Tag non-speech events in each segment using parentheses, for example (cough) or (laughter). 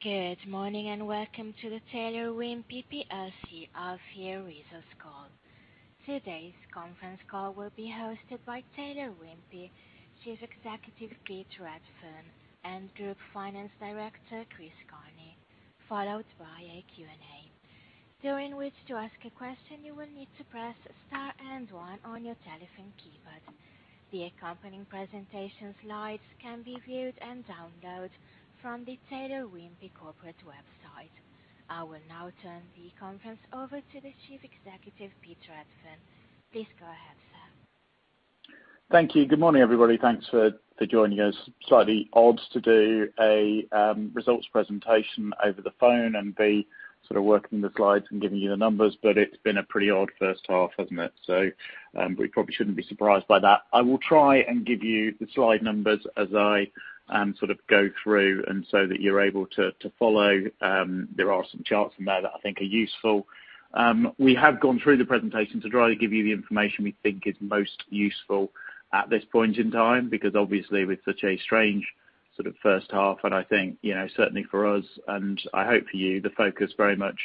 Good morning, welcome to the Taylor Wimpey Plc Half Year Results Call. Today's conference call will be hosted by Taylor Wimpey, Chief Executive, Pete Redfern, and Group Finance Director, Chris Carney, followed by a Q&A. During which to ask a question, you will need to press star and one on your telephone keypad. The accompanying presentation slides can be viewed and downloaded from the Taylor Wimpey corporate website. I will now turn the conference over to the Chief Executive, Pete Redfern. Please go ahead, sir. Thank you. Good morning, everybody. Thanks for joining us. Slightly odd to do a results presentation over the phone and be sort of working the slides and giving you the numbers, but it's been a pretty odd first half, hasn't it? We probably shouldn't be surprised by that. I will try and give you the slide numbers as I go through and so that you're able to follow. There are some charts in there that I think are useful. We have gone through the presentation to try to give you the information we think is most useful at this point in time, because obviously with such a strange first half, and I think certainly for us, and I hope for you, the focus very much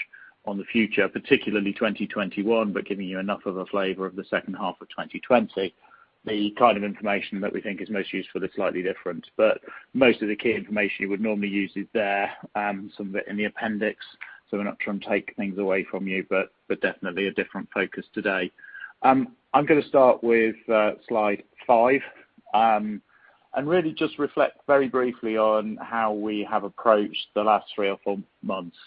on the future, particularly 2021, but giving you enough of a flavor of the second half of 2020. The kind of information that we think is most useful is slightly different. Most of the key information you would normally use is there, some of it in the appendix, so we're not trying to take things away from you, but definitely a different focus today. I'm going to start with slide five, and really just reflect very briefly on how we have approached the last three or four months.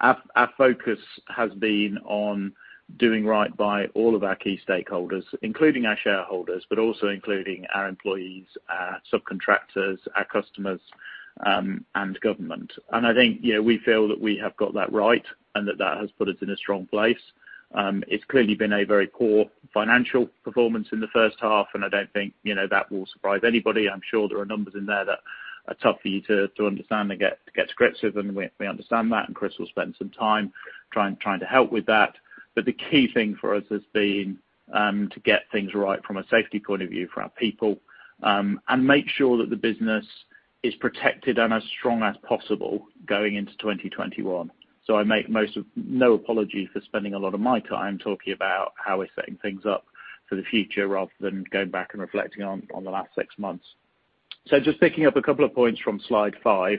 Our focus has been on doing right by all of our key stakeholders, including our shareholders, but also including our employees, our subcontractors, our customers, and government. I think we feel that we have got that right and that that has put us in a strong place. It's clearly been a very poor financial performance in the first half, and I don't think that will surprise anybody. I'm sure there are numbers in there that are tough for you to understand and get to grips with, and we understand that, and Chris will spend some time trying to help with that. The key thing for us has been to get things right from a safety point of view for our people, and make sure that the business is protected and as strong as possible going into 2021. I make no apology for spending a lot of my time talking about how we're setting things up for the future rather than going back and reflecting on the last six months. Just picking up a couple of points from slide five,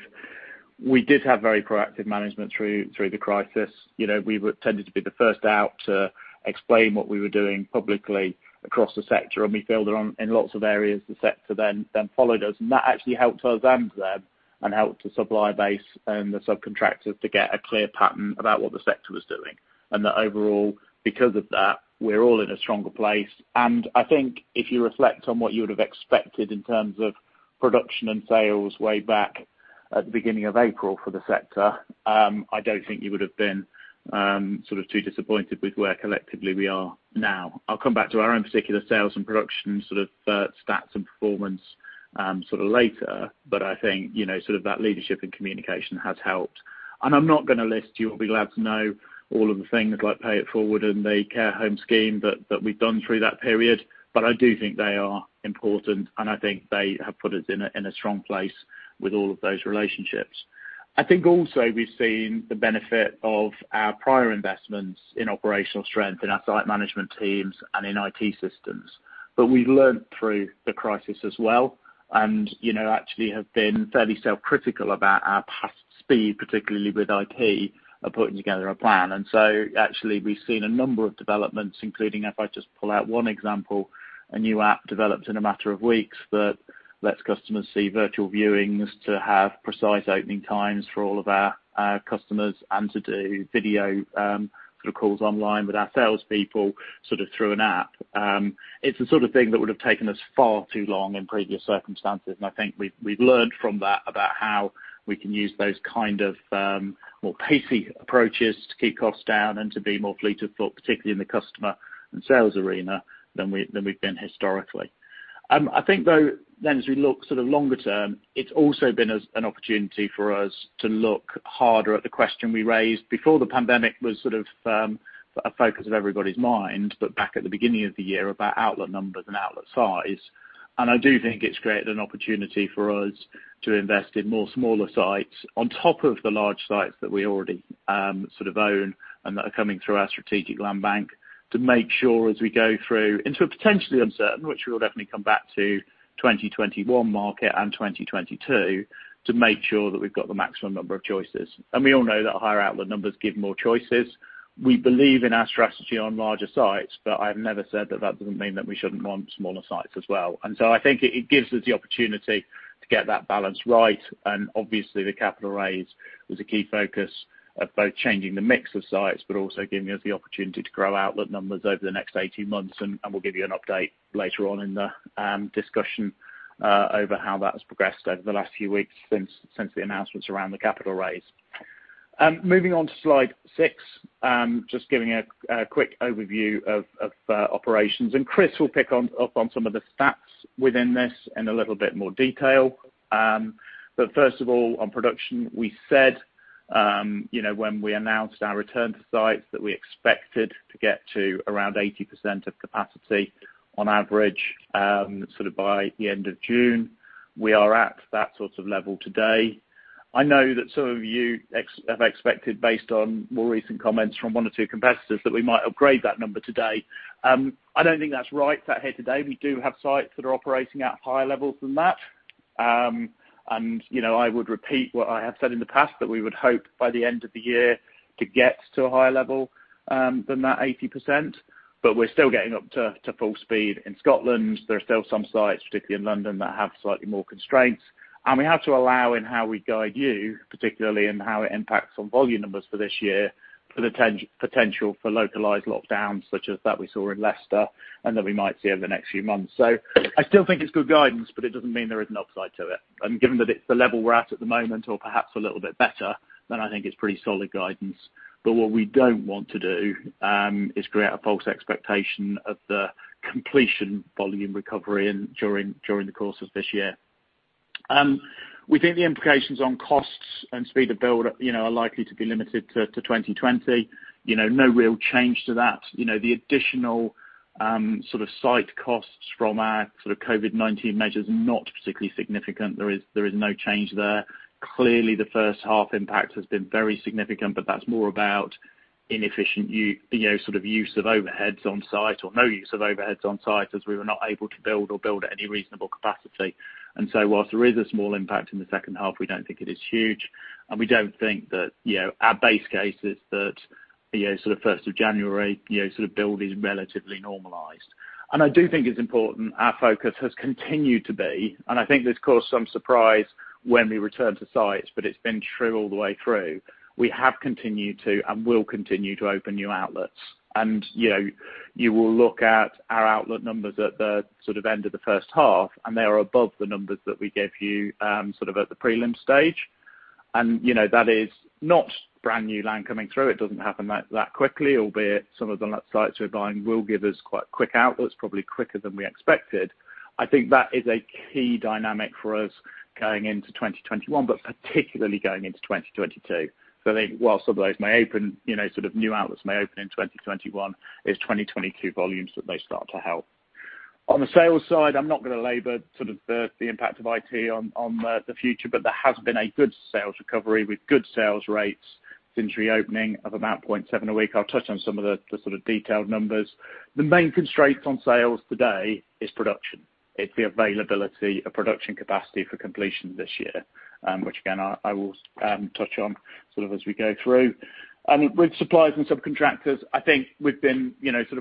we did have very proactive management through the crisis. We tended to be the first out to explain what we were doing publicly across the sector, and we feel that in lots of areas, the sector then followed us. That actually helped us and them and helped the supply base and the subcontractors to get a clear pattern about what the sector was doing. That overall, because of that, we are all in a stronger place. I think if you reflect on what you would have expected in terms of production and sales way back at the beginning of April for the sector, I don't think you would have been too disappointed with where collectively we are now. I'll come back to our own particular sales and production stats and performance later, but I think that leadership and communication has helped. I'm not going to list, you'll be glad to know, all of the things like Pay It Forward and the care home scheme that we've done through that period, but I do think they are important, and I think they have put us in a strong place with all of those relationships. I think also we've seen the benefit of our prior investments in operational strength in our site management teams and in IT systems. We've learned through the crisis as well, and actually have been fairly self-critical about our past speed, particularly with IT, of putting together a plan. Actually we've seen a number of developments, including if I just pull out one example, a new app developed in a matter of weeks that lets customers see virtual viewings, to have precise opening times for all of our customers, and to do video calls online with our salespeople through an app. It's the sort of thing that would have taken us far too long in previous circumstances, I think we've learned from that about how we can use those kind of more pacy approaches to keep costs down and to be more fleet of foot, particularly in the customer and sales arena than we've been historically. I think though, then as we look longer-term, it's also been an opportunity for us to look harder at the question we raised before the pandemic was a focus of everybody's mind, but back at the beginning of the year about outlet numbers and outlet size. I do think it's created an opportunity for us to invest in more smaller sites on top of the large sites that we already own and that are coming through our strategic land bank to make sure as we go through into a potentially uncertain, which we'll definitely come back to, 2021 market and 2022, to make sure that we've got the maximum number of choices. We all know that higher outlet numbers give more choices. We believe in our strategy on larger sites, but I've never said that that doesn't mean that we shouldn't want smaller sites as well. I think it gives us the opportunity to get that balance right, and obviously the capital raise was a key focus of both changing the mix of sites, but also giving us the opportunity to grow outlet numbers over the next 18 months, and we'll give you an update later on in the discussion over how that has progressed over the last few weeks since the announcements around the capital raise. Moving on to slide six, just giving a quick overview of operations, and Chris will pick up on some of the stats within this in a little bit more detail. First of all, on production, we said when we announced our return to sites that we expected to get to around 80% of capacity on average by the end of June. We are at that level today. I know that some of you have expected, based on more recent comments from one or two competitors, that we might upgrade that number today. I don't think that's right. Here today, we do have sites that are operating at higher levels than that. I would repeat what I have said in the past, that we would hope by the end of the year to get to a higher level than that 80%, but we're still getting up to full speed in Scotland. There are still some sites, particularly in London, that have slightly more constraints. We have to allow in how we guide you, particularly in how it impacts on volume numbers for this year for the potential for localized lockdowns, such as that we saw in Leicester and that we might see over the next few months. I still think it's good guidance. It doesn't mean there isn't upside to it. Given that it's the level we're at at the moment or perhaps a little bit better, I think it's pretty solid guidance. What we don't want to do, is create a false expectation of the completion volume recovery during the course of this year. We think the implications on costs and speed of build are likely to be limited to 2020. No real change to that. The additional site costs from our COVID-19 measures are not particularly significant. There is no change there. Clearly, the first half impact has been very significant. That's more about inefficient use of overheads on site or no use of overheads on site as we were not able to build or build at any reasonable capacity. Whilst there is a small impact in the second half, we don't think it is huge, and we don't think that our base case is that 1st of January, build is relatively normalized. I do think it's important our focus has continued to be, and I think this caused some surprise when we returned to sites, but it's been true all the way through. We have continued to and will continue to open new outlets. You will look at our outlet numbers at the end of the first half, and they are above the numbers that we gave you at the prelim stage. That is not brand new land coming through. It doesn't happen that quickly, albeit some of the sites we're buying will give us quite quick outlets, probably quicker than we expected. I think that is a key dynamic for us going into 2021, but particularly going into 2022. I think whilst some of those may open, new outlets may open in 2021, it's 2022 volumes that they start to help. On the sales side, I'm not going to labor the impact of IT on the future, but there has been a good sales recovery with good sales rates since reopening of about 0.7 a week. I'll touch on some of the detailed numbers. The main constraint on sales today is production. It's the availability of production capacity for completion this year, which again, I will touch on as we go through. With suppliers and subcontractors, I think we've been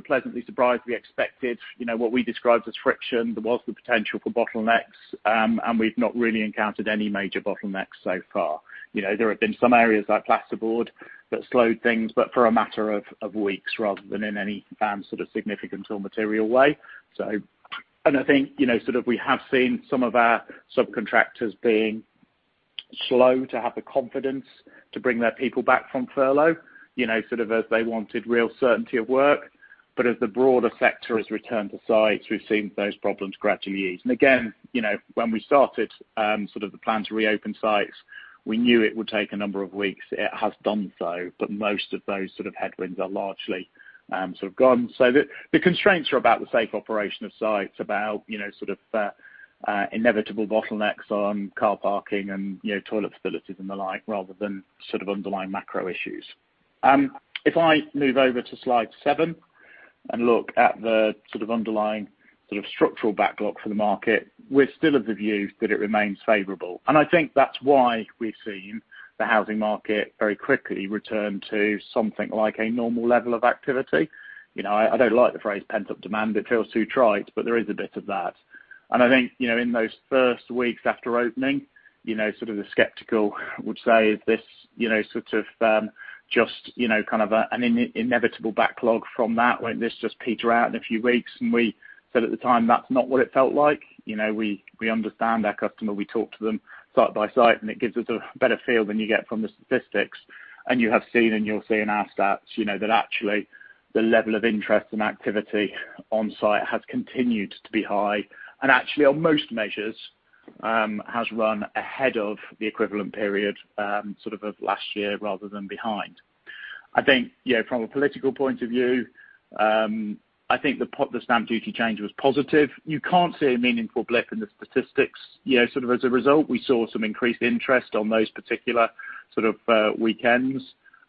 pleasantly surprised. We expected what we described as friction. There was the potential for bottlenecks, and we've not really encountered any major bottlenecks so far. There have been some areas like plasterboard that slowed things, but for a matter of weeks rather than in any significant or material way. I think we have seen some of our subcontractors being slow to have the confidence to bring their people back from furlough, as they wanted real certainty of work. As the broader sector has returned to sites, we've seen those problems gradually ease. Again, when we started the plan to reopen sites, we knew it would take a number of weeks. It has done so, but most of those headwinds are largely gone. The constraints are about the safe operation of sites, about inevitable bottlenecks on car parking and toilet facilities and the like, rather than underlying macro issues. If I move over to slide seven and look at the underlying structural backlog for the market, we're still of the view that it remains favorable. I think that's why we've seen the housing market very quickly return to something like a normal level of activity. I don't like the phrase pent-up demand. It feels too trite, but there is a bit of that. I think, in those first weeks after opening, the skeptical would say, "Is this just an inevitable backlog from that. Won't this just peter out in a few weeks." We said at the time, that's not what it felt like. We understand our customer. We talk to them site by site, and it gives us a better feel than you get from the statistics. You have seen, and you'll see in our stats, that actually the level of interest and activity on-site has continued to be high, and actually on most measures has run ahead of the equivalent period of last year rather than behind. I think from a political point of view, I think the stamp duty change was positive. You can't see a meaningful blip in the statistics. As a result, we saw some increased interest on those particular weekends.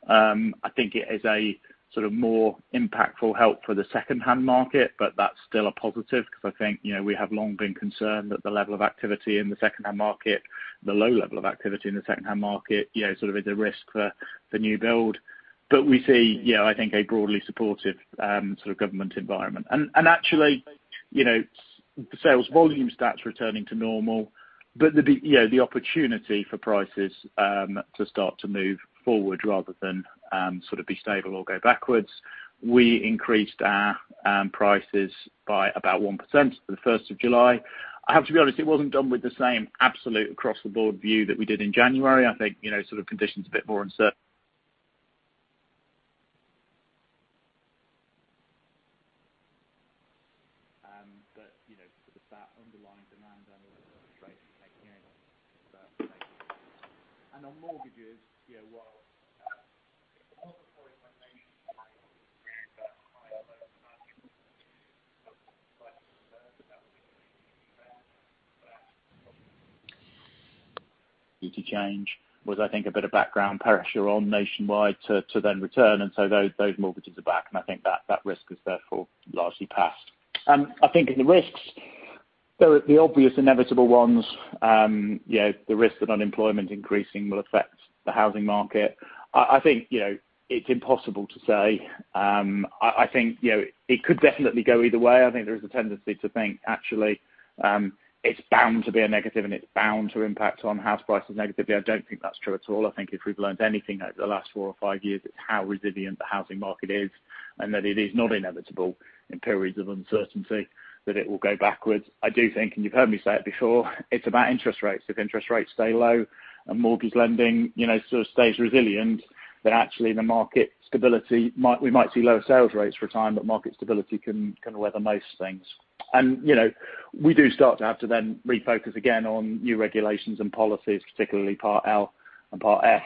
I think it is a more impactful help for the secondhand market, but that's still a positive because I think we have long been concerned that the level of activity in the secondhand market, the low level of activity in the secondhand market is a risk for new build. We see I think a broadly supportive government environment. Actually, the sales volume stats returning to normal, but the opportunity for prices to start to move forward rather than be stable or go backwards. We increased our prices by about 1% for the 1st of July. I have to be honest, it wasn't done with the same absolute across-the-board view that we did in January. I think conditions are a bit more uncertain. That underlying demand element of the rates making that decision. On mortgages, while it was a point when. (audio distortion) Need to change was I think a bit of background pressure on Nationwide to then return. So those mortgages are back. I think that risk is therefore largely past. I think in the risks, the obvious inevitable ones, the risk of unemployment increasing will affect the housing market. I think it's impossible to say. I think it could definitely go either way. I think there is a tendency to think, actually, it's bound to be a negative. It's bound to impact on house prices negatively. I don't think that's true at all. I think if we've learned anything over the last four or five years, it's how resilient the housing market is. That it is not inevitable in periods of uncertainty that it will go backwards. I do think, you've heard me say it before, it's about interest rates. If interest rates stay low and mortgage lending sort of stays resilient, then actually the market stability, we might see lower sales rates for a time, but market stability can weather most things. We do start to have to then refocus again on new regulations and policies, particularly Part L and Part F,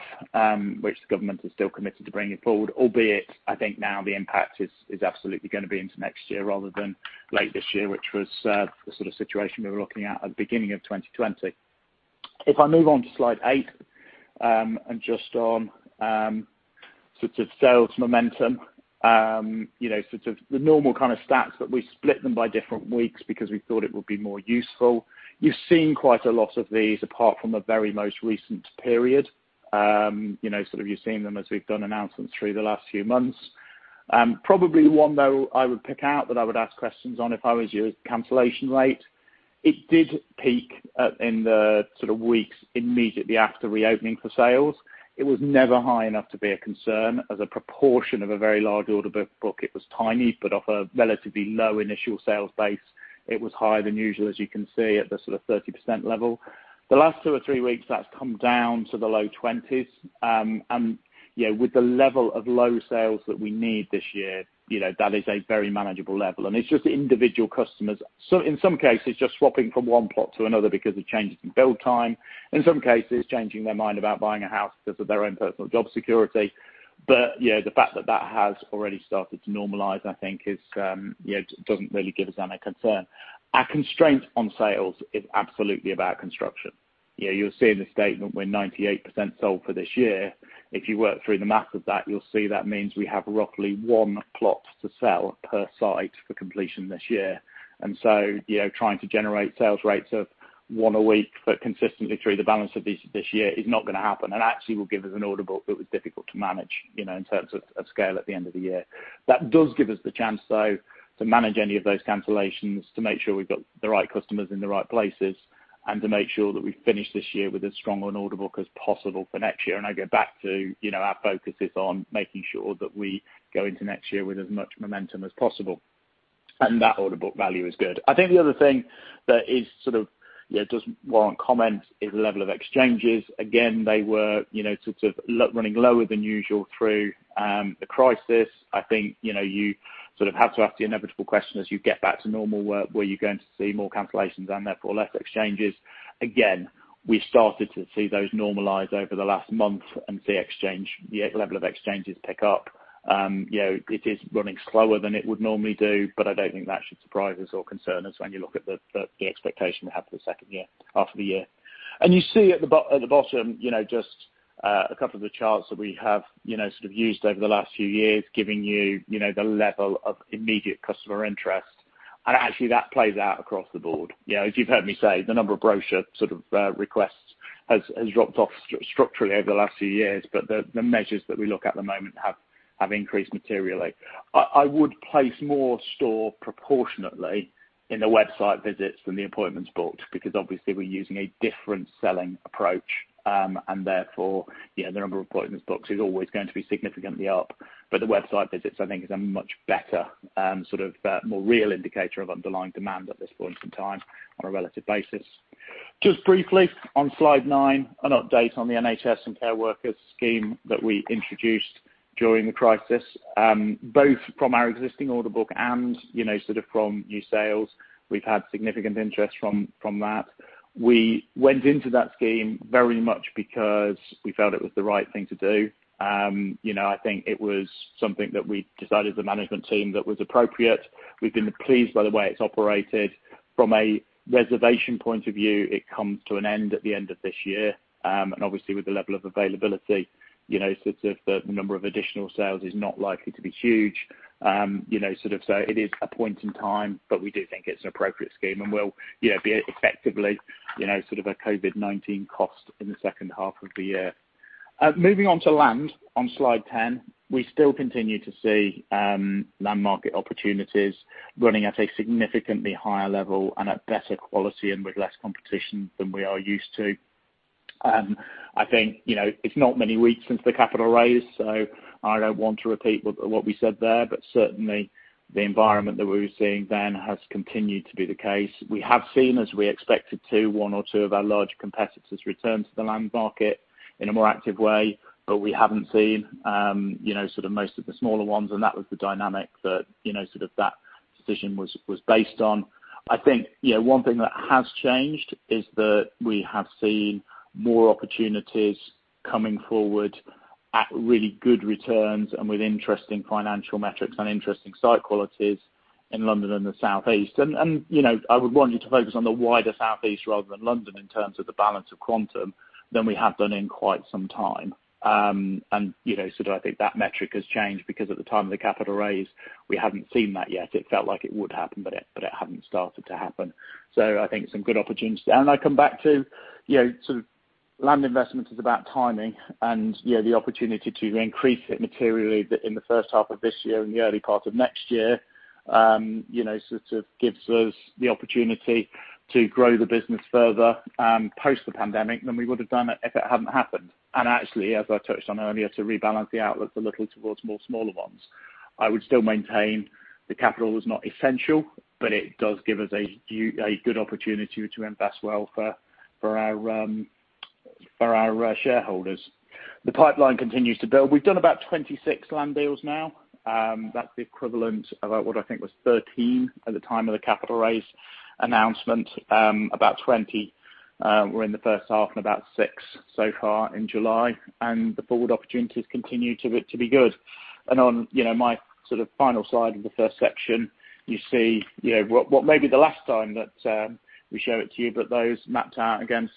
which the government is still committed to bringing forward. Albeit, I think now the impact is absolutely going to be into next year rather than late this year, which was the sort of situation we were looking at the beginning of 2020. If I move on to slide eight, and just on sorts of sales momentum. The normal kind of stats, but we split them by different weeks because we thought it would be more useful. You've seen quite a lot of these apart from the very most recent period. You've seen them as we've done announcements through the last few months. Probably one though I would pick out that I would ask questions on if I was you, cancellation rate. It did peak in the weeks immediately after reopening for sales. It was never high enough to be a concern. As a proportion of a very large order book, it was tiny, but off a relatively low initial sales base, it was higher than usual, as you can see at the sort of 30% level. The last two or three weeks, that's come down to the low-20s. And with the level of low sales that we need this year, that is a very manageable level. And it's just individual customers, in some cases just swapping from one plot to another because of changes in build time. In some cases, changing their mind about buying a house because of their own personal job security. The fact that that has already started to normalize, I think doesn't really give us any concern. Our constraint on sales is absolutely about construction. You'll see in the statement we're 98% sold for this year. If you work through the math of that, you'll see that means we have roughly one plot to sell per site for completion this year. Trying to generate sales rates of one a week but consistently through the balance of this year is not going to happen and actually will give us an order book that was difficult to manage in terms of scale at the end of the year. That does give us the chance, though, to manage any of those cancellations, to make sure we've got the right customers in the right places, and to make sure that we finish this year with as strong an order book as possible for next year. I go back to our focus is on making sure that we go into next year with as much momentum as possible. That order book value is good. I think the other thing that does warrant comment is the level of exchanges. Again, they were sort of running lower than usual through the crisis. I think you sort of have to ask the inevitable question as you get back to normal work, were you going to see more cancellations and therefore less exchanges? Again, we started to see those normalize over the last month and see the level of exchanges pick up. It is running slower than it would normally do, but I don't think that should surprise us or concern us when you look at the expectation we have for the second half of the year. You see at the bottom just a couple of the charts that we have used over the last few years, giving you the level of immediate customer interest. Actually, that plays out across the board. As you've heard me say, the number of brochure requests has dropped off structurally over the last few years, but the measures that we look at the moment have increased materially. I would place more store proportionately in the website visits than the appointments booked, because obviously we're using a different selling approach, and therefore the number of appointments booked is always going to be significantly up. The website visits, I think, is a much better, sort of more real indicator of underlying demand at this point in time on a relative basis. Just briefly on slide nine, an update on the NHS and care workers scheme that we introduced during the crisis. Both from our existing order book and sort of from new sales. We've had significant interest from that. We went into that scheme very much because we felt it was the right thing to do. I think it was something that we decided as the management team that was appropriate. We've been pleased by the way it's operated. From a reservation point of view, it comes to an end at the end of this year. Obviously with the level of availability, the number of additional sales is not likely to be huge. It is a point in time, but we do think it's an appropriate scheme and will be effectively a COVID-19 cost in the second half of the year. Moving on to land on slide 10. We still continue to see land market opportunities running at a significantly higher level and at better quality and with less competition than we are used to. I think it's not many weeks since the capital raise, so I don't want to repeat what we said there, but certainly the environment that we were seeing then has continued to be the case. We have seen, as we expected to, one or two of our large competitors return to the land market in a more active way, but we haven't seen most of the smaller ones, and that was the dynamic that decision was based on. I think one thing that has changed is that we have seen more opportunities coming forward at really good returns and with interesting financial metrics and interesting site qualities in London and the Southeast. I would want you to focus on the wider Southeast rather than London in terms of the balance of quantum than we have done in quite some time. I think that metric has changed because at the time of the capital raise, we hadn't seen that yet. It felt like it would happen, but it hadn't started to happen. I think some good opportunities there. I come back to land investment is about timing, and the opportunity to increase it materially in the first half of this year and the early part of next year gives us the opportunity to grow the business further post the pandemic than we would have done it if it hadn't happened. Actually, as I touched on earlier, to rebalance the outlook a little towards more smaller ones. I would still maintain the capital was not essential, but it does give us a good opportunity to invest well for our shareholders. The pipeline continues to build. We've done about 26 land deals now. That's the equivalent of what I think was 13 at the time of the capital raise announcement. About 20 were in the first half and about six so far in July, the forward opportunities continue to be good. On my final slide of the first section, you see what may be the last time that we show it to you, but those mapped out against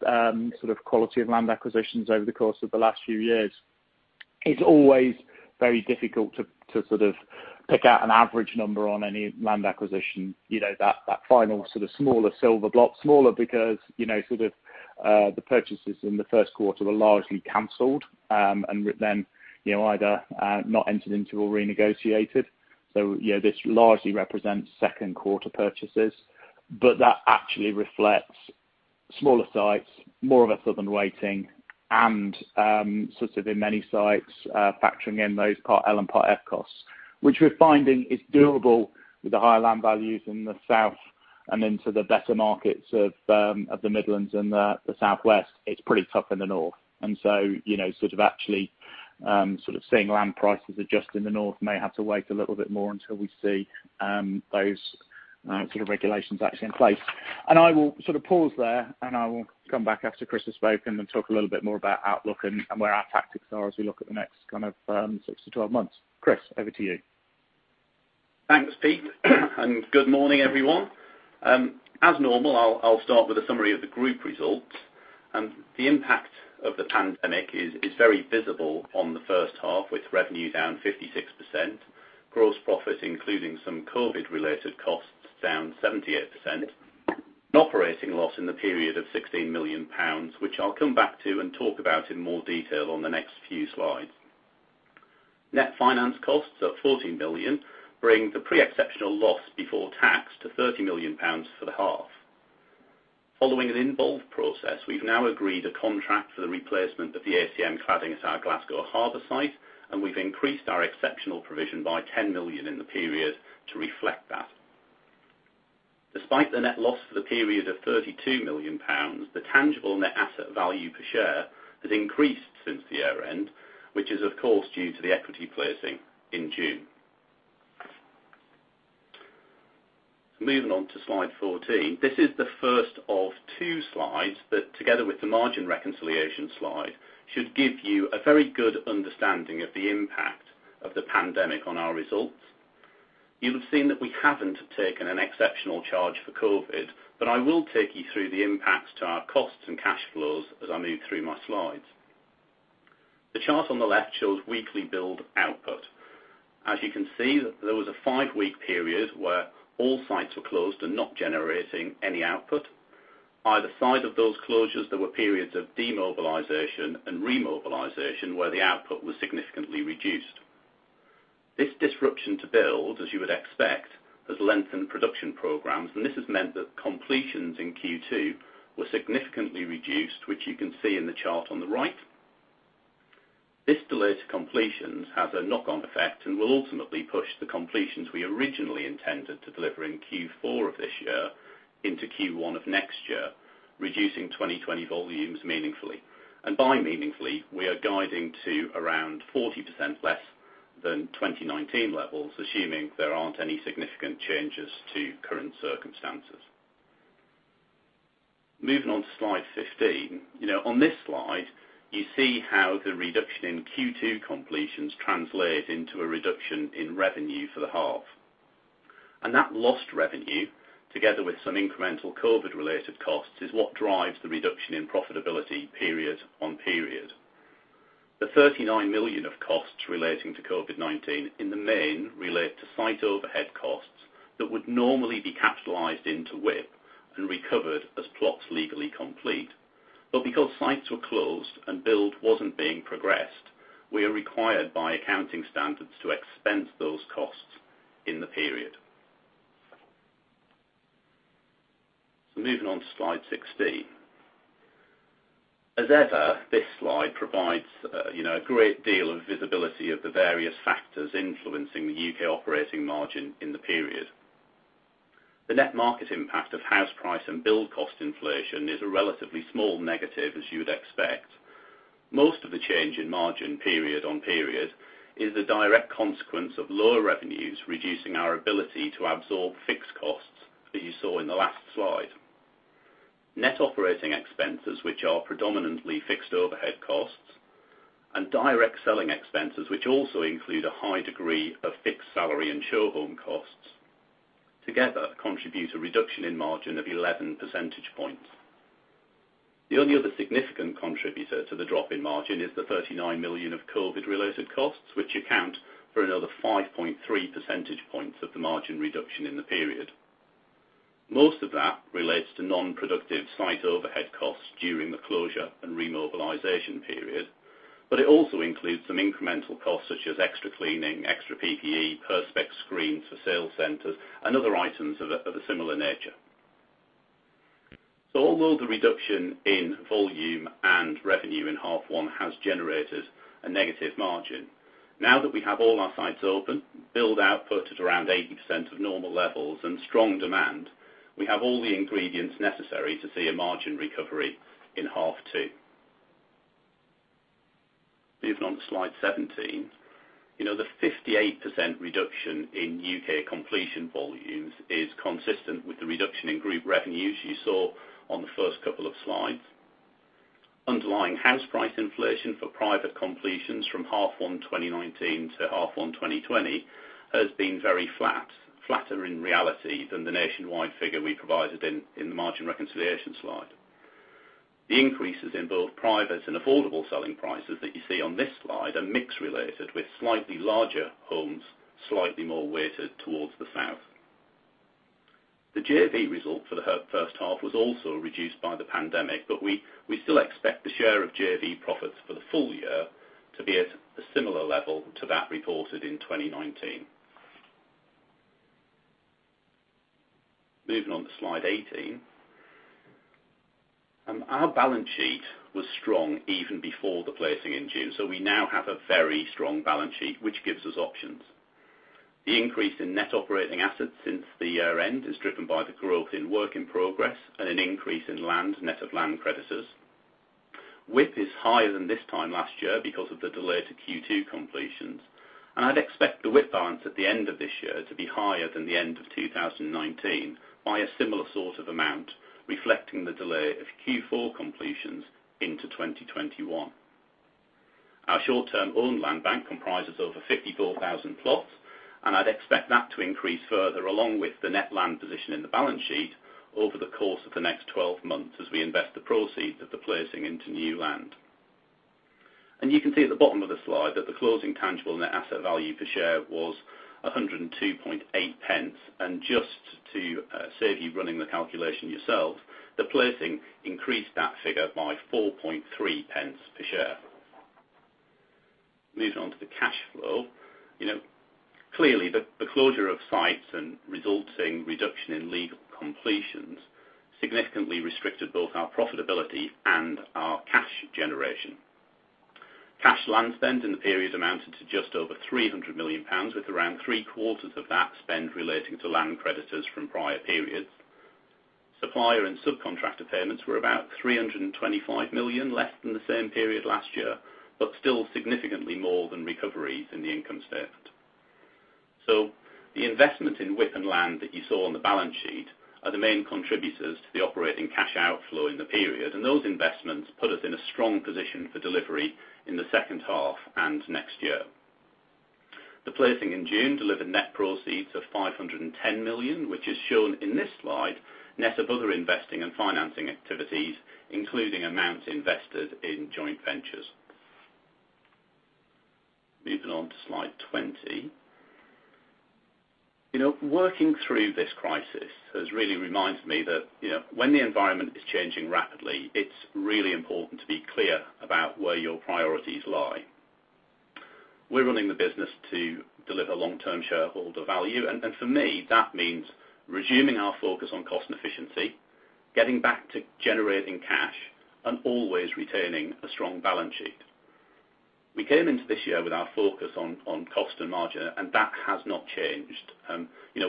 the quality of land acquisitions over the course of the last few years. It's always very difficult to pick out an average number on any land acquisition. That final smaller silver block, smaller because the purchases in the first quarter were largely canceled, and then either not entered into or re-negotiated. This largely represents second quarter purchases. That actually reflects smaller sites, more of a southern weighting, and in many sites factoring in those Part L and Part F costs, which we're finding is doable with the higher land values in the South and into the better markets of the Midlands and the Southwest. It's pretty tough in the North. Actually seeing land prices adjust in the North may have to wait a little bit more until we see those sort of regulations actually in place. I will pause there, and I will come back after Chris has spoken and talk a little bit more about outlook and where our tactics are as we look at the next 6 to 12 months. Chris, over to you. Thanks, Pete, and good morning, everyone. As normal, I'll start with a summary of the group results. The impact of the pandemic is very visible on the first half, with revenue down 56%, gross profit, including some COVID-19 related costs down 78%, an operating loss in the period of 16 million pounds, which I'll come back to and talk about in more detail on the next few slides. Net finance costs at 14 million bring the pre-exceptional loss before tax to 30 million pounds for the half. Following an involved process, we've now agreed a contract for the replacement of the ACM cladding at our Glasgow Harbour site. We've increased our exceptional provision by 10 million in the period to reflect that. Despite the net loss for the period of 32 million pounds, the tangible net asset value per share has increased since the year-end, which is of course due to the equity placing in June. Moving on to slide 14. This is the first of two slides that together with the margin reconciliation slide should give you a very good understanding of the impact of the pandemic on our results. You'll have seen that we haven't taken an exceptional charge for COVID-19, I will take you through the impacts to our costs and cash flows as I move through my slides. The chart on the left shows weekly build output. As you can see, there was a five-week period where all sites were closed and not generating any output. Either side of those closures, there were periods of demobilization and remobilization where the output was significantly reduced. This disruption to build, as you would expect, has lengthened production programs and this has meant that completions in Q2 were significantly reduced which you can see in the chart on the right. This delay to completions has a knock-on effect and will ultimately push the completions we originally intended to deliver in Q4 of this year into Q1 of next year, reducing 2020 volumes meaningfully. By meaningfully, we are guiding to around 40% less than 2019 levels, assuming there aren't any significant changes to current circumstances. Moving on to slide 15. On this slide, you see how the reduction in Q2 completions translate into a reduction in revenue for the half. That lost revenue, together with some incremental COVID-19 related costs, is what drives the reduction in profitability period-on-period. The 39 million of costs relating to COVID-19 in the main relate to site overhead costs that would normally be capitalized into WIP and recovered as plots legally complete. Because sites were closed and build wasn't being progressed, we are required by accounting standards to expense those costs in the period. Moving on to slide 16. As ever, this slide provides a great deal of visibility of the various factors influencing the U.K. operating margin in the period. The net market impact of house price and build cost inflation is a relatively small negative, as you would expect. Most of the change in margin period on period is the direct consequence of lower revenues reducing our ability to absorb fixed costs that you saw in the last slide. Net operating expenses, which are predominantly fixed overhead costs, and direct selling expenses, which also include a high degree of fixed salary and show home costs, together contribute a reduction in margin of 11 percentage points. The only other significant contributor to the drop in margin is the 39 million of COVID-19 related costs, which account for another 5.3 percentage points of the margin reduction in the period. Most of that relates to non-productive site overhead costs during the closure and remobilization period. It also includes some incremental costs, such as extra cleaning, extra PPE, Perspex screens for sales centers, and other items of a similar nature. Although the reduction in volume and revenue in half one has generated a negative margin, now that we have all our sites open, build output at around 80% of normal levels and strong demand, we have all the ingredients necessary to see a margin recovery in half two. Moving on to slide 17. The 58% reduction in U.K. completion volumes is consistent with the reduction in group revenues you saw on the first couple of slides. Underlying house price inflation for private completions from half one 2019 to half one 2020 has been very flat, flatter in reality than the Nationwide figure we provided in the margin reconciliation slide. The increases in both private and affordable selling prices that you see on this slide are mix related with slightly larger homes, slightly more weighted towards the south. The JV result for the first half was also reduced by the pandemic. We still expect the share of JV profits for the full-year to be at a similar level to that reported in 2019. Moving on to slide 18. Our balance sheet was strong even before the placing in June. We now have a very strong balance sheet, which gives us options. The increase in net operating assets since the year end is driven by the growth in work in progress and an increase in land net of land creditors. WIP is higher than this time last year because of the delay to Q2 completions, and I'd expect the WIP balance at the end of this year to be higher than the end of 2019 by a similar sort of amount, reflecting the delay of Q4 completions into 2021. Our short-term owned land bank comprises over 54,000 plots. I'd expect that to increase further along with the net land position in the balance sheet over the course of the next 12 months as we invest the proceeds of the placing into new land. You can see at the bottom of the slide that the closing tangible net asset value per share was 1.028. Just to save you running the calculation yourselves, the placing increased that figure by 0.043 per share. Moving on to the cash flow. Clearly, the closure of sites and resulting reduction in legal completions significantly restricted both our profitability and our cash generation. Cash land spend in the period amounted to just over 300 million pounds, with around three quarters of that spend relating to land creditors from prior-periods. Supplier and subcontractor payments were about 325 million, less than the same period last year, but still significantly more than recoveries in the income statement. The investment in WIP and land that you saw on the balance sheet are the main contributors to the operating cash outflow in the period. Those investments put us in a strong position for delivery in the second half and next year. The placing in June delivered net proceeds of 510 million, which is shown in this slide, net of other investing and financing activities, including amounts invested in joint ventures. Moving on to slide 20. Working through this crisis has really reminded me that when the environment is changing rapidly, it's really important to be clear about where your priorities lie. We're running the business to deliver long-term shareholder value, and for me, that means resuming our focus on cost and efficiency, getting back to generating cash, and always retaining a strong balance sheet. We came into this year with our focus on cost and margin, and that has not changed.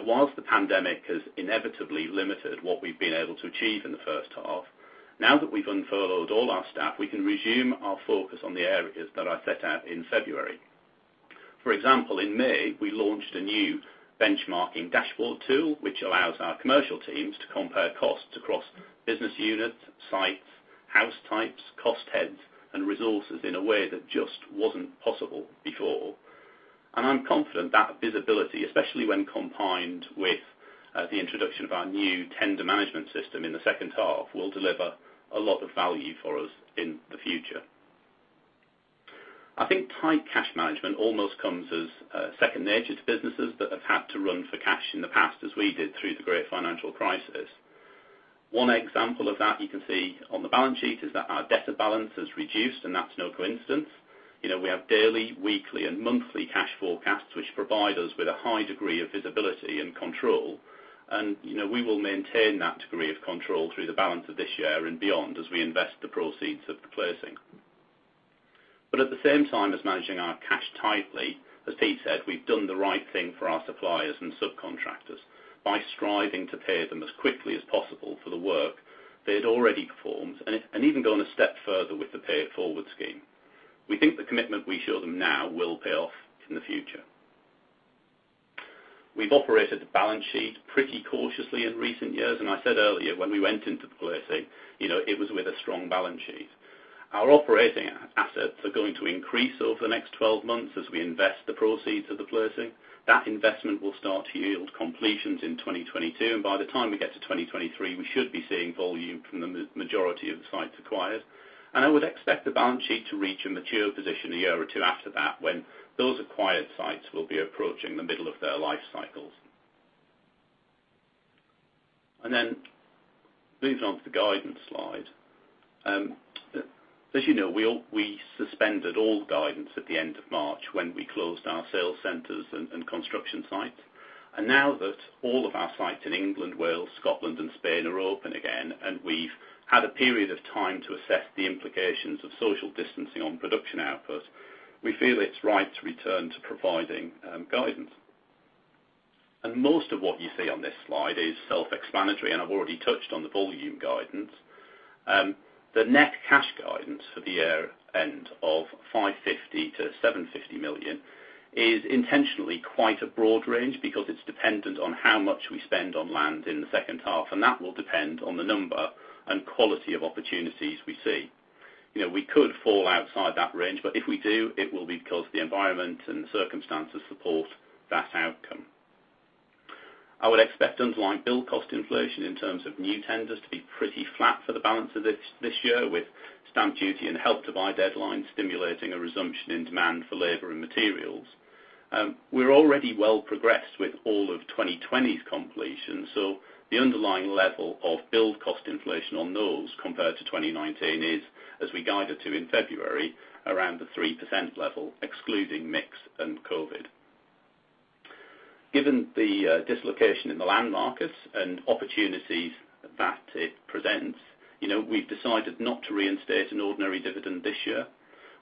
While the pandemic has inevitably limited what we've been able to achieve in the first half, now that we've unfurloughed all our staff, we can resume our focus on the areas that I set out in February. For example, in May, we launched a new benchmarking dashboard tool, which allows our commercial teams to compare costs across business units, sites, house types, cost heads, and resources in a way that just wasn't possible before. I'm confident that visibility, especially when combined with the introduction of our new tender management system in the second half, will deliver a lot of value for us in the future. I think tight cash management almost comes as second nature to businesses that have had to run for cash in the past as we did through the Great Financial Crisis. One example of that you can see on the balance sheet is that our debtor balance has reduced, and that's no coincidence. We have daily, weekly, and monthly cash forecasts, which provide us with a high degree of visibility and control, and we will maintain that degree of control through the balance of this year and beyond as we invest the proceeds of the placing. At the same time as managing our cash tightly, as Pete said, we've done the right thing for our suppliers and subcontractors by striving to pay them as quickly as possible for the work they had already performed, and even going a step further with the Pay It Forward scheme. We think the commitment we show them now will pay off in the future. We've operated the balance sheet pretty cautiously in recent years, and I said earlier, when we went into the placing, it was with a strong balance sheet. Our operating assets are going to increase over the next 12 months as we invest the proceeds of the placing. That investment will start to yield completions in 2022. By the time we get to 2023, we should be seeing volume from the majority of the sites acquired. I would expect the balance sheet to reach a mature position a year or two after that, when those acquired sites will be approaching the middle of their life cycles. Moving on to the guidance slide. As you know, we suspended all guidance at the end of March when we closed our sales centers and construction sites. Now that all of our sites in England, Wales, Scotland and Spain are open again, and we've had a period of time to assess the implications of social distancing on production output, we feel it's right to return to providing guidance. Most of what you see on this slide is self-explanatory, and I've already touched on the volume guidance. The net cash guidance for the year end of 550 million-750 million is intentionally quite a broad range, because it's dependent on how much we spend on land in the second half, and that will depend on the number and quality of opportunities we see. We could fall outside that range, but if we do, it will be because the environment and the circumstances support that outcome. I would expect underlying build cost inflation in terms of new tenders to be pretty flat for the balance of this year, with stamp duty and Help to Buy deadlines stimulating a resumption in demand for labor and materials. We are already well progressed with all of 2020's completions. The underlying level of build cost inflation on those compared to 2019 is, as we guided to in February, around the 3% level, excluding mix and COVID. Given the dislocation in the land markets and opportunities that it presents, we've decided not to reinstate an ordinary dividend this year.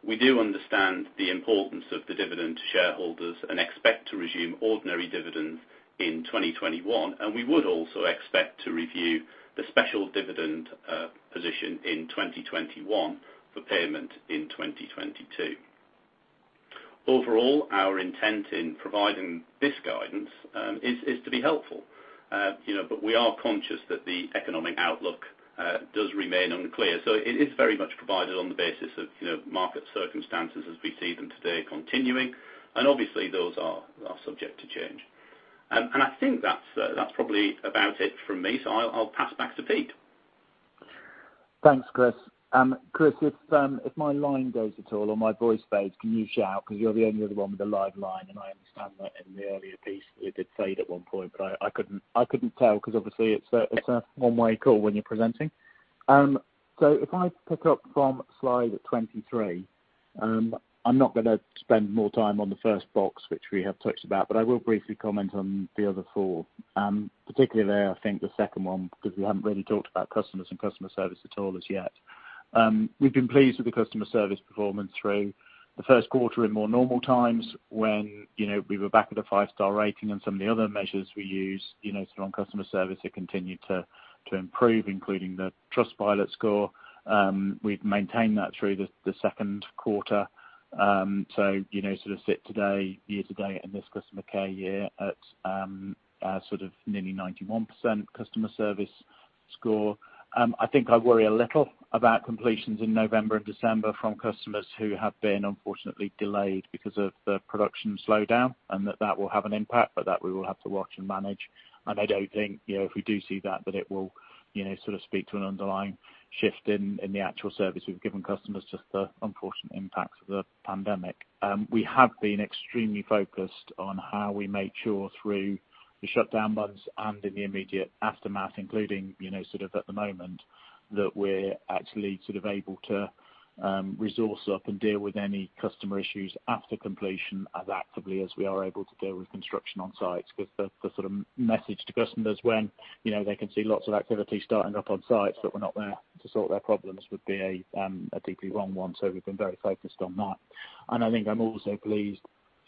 We do understand the importance of the dividend to shareholders and expect to resume ordinary dividends in 2021. We would also expect to review the special dividend position in 2021 for payment in 2022. Overall, our intent in providing this guidance is to be helpful. We are conscious that the economic outlook does remain unclear. It is very much provided on the basis of market circumstances as we see them today continuing, and obviously those are subject to change. I think that's probably about it from me. I'll pass back to Pete. Thanks, Chris. Chris, if my line goes at all or my voice fades, can you shout? You're the only other one with a live line, and I understand that in the earlier piece it did fade at one point, but I couldn't tell because obviously it's a one-way call when you're presenting. If I pick up from slide 23, I'm not going to spend more time on the first box, which we have touched about, but I will briefly comment on the other four. Particularly, I think the second one, because we haven't really talked about customers and customer service at all as yet. We've been pleased with the customer service performance through the first quarter in more normal times when we were back at a five-star rating and some of the other measures we use. Strong customer service had continued to improve, including the Trustpilot score. We've maintained that through the second quarter. Sort of sit today, year to date in this customer care year at sort of nearly 91% customer service score. I think I worry a little about completions in November and December from customers who have been unfortunately delayed because of the production slowdown, and that will have an impact, but that we will have to watch and manage. I don't think, if we do see that it will sort of speak to an underlying shift in the actual service we've given customers, just the unfortunate impacts of the pandemic. We have been extremely focused on how we made sure through the shutdown months and in the immediate aftermath, including sort of at the moment, that we're actually able to resource up and deal with any customer issues after completion as actively as we are able to deal with construction on sites. The sort of message to customers when they can see lots of activity starting up on sites, but we're not there to sort their problems, would be a deeply wrong one. We've been very focused on that. I think I'm also pleased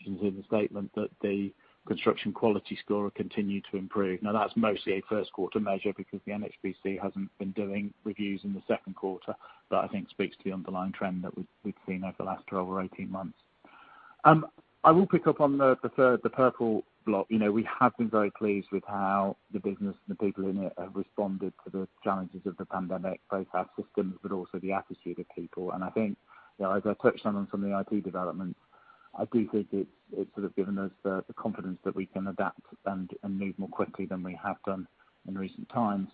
to include the statement that the construction quality score continued to improve. That's mostly a first quarter measure because the NHBC hasn't been doing reviews in the second quarter, but I think speaks to the underlying trend that we've seen over the last 12 or 18 months. I will pick up on the purple block. We have been very pleased with how the business and the people in it have responded to the challenges of the pandemic, both our systems, but also the attitude of people. I think, as I touched on in some of the IT developments, I do think it's sort of given us the confidence that we can adapt and move more quickly than we have done in recent times.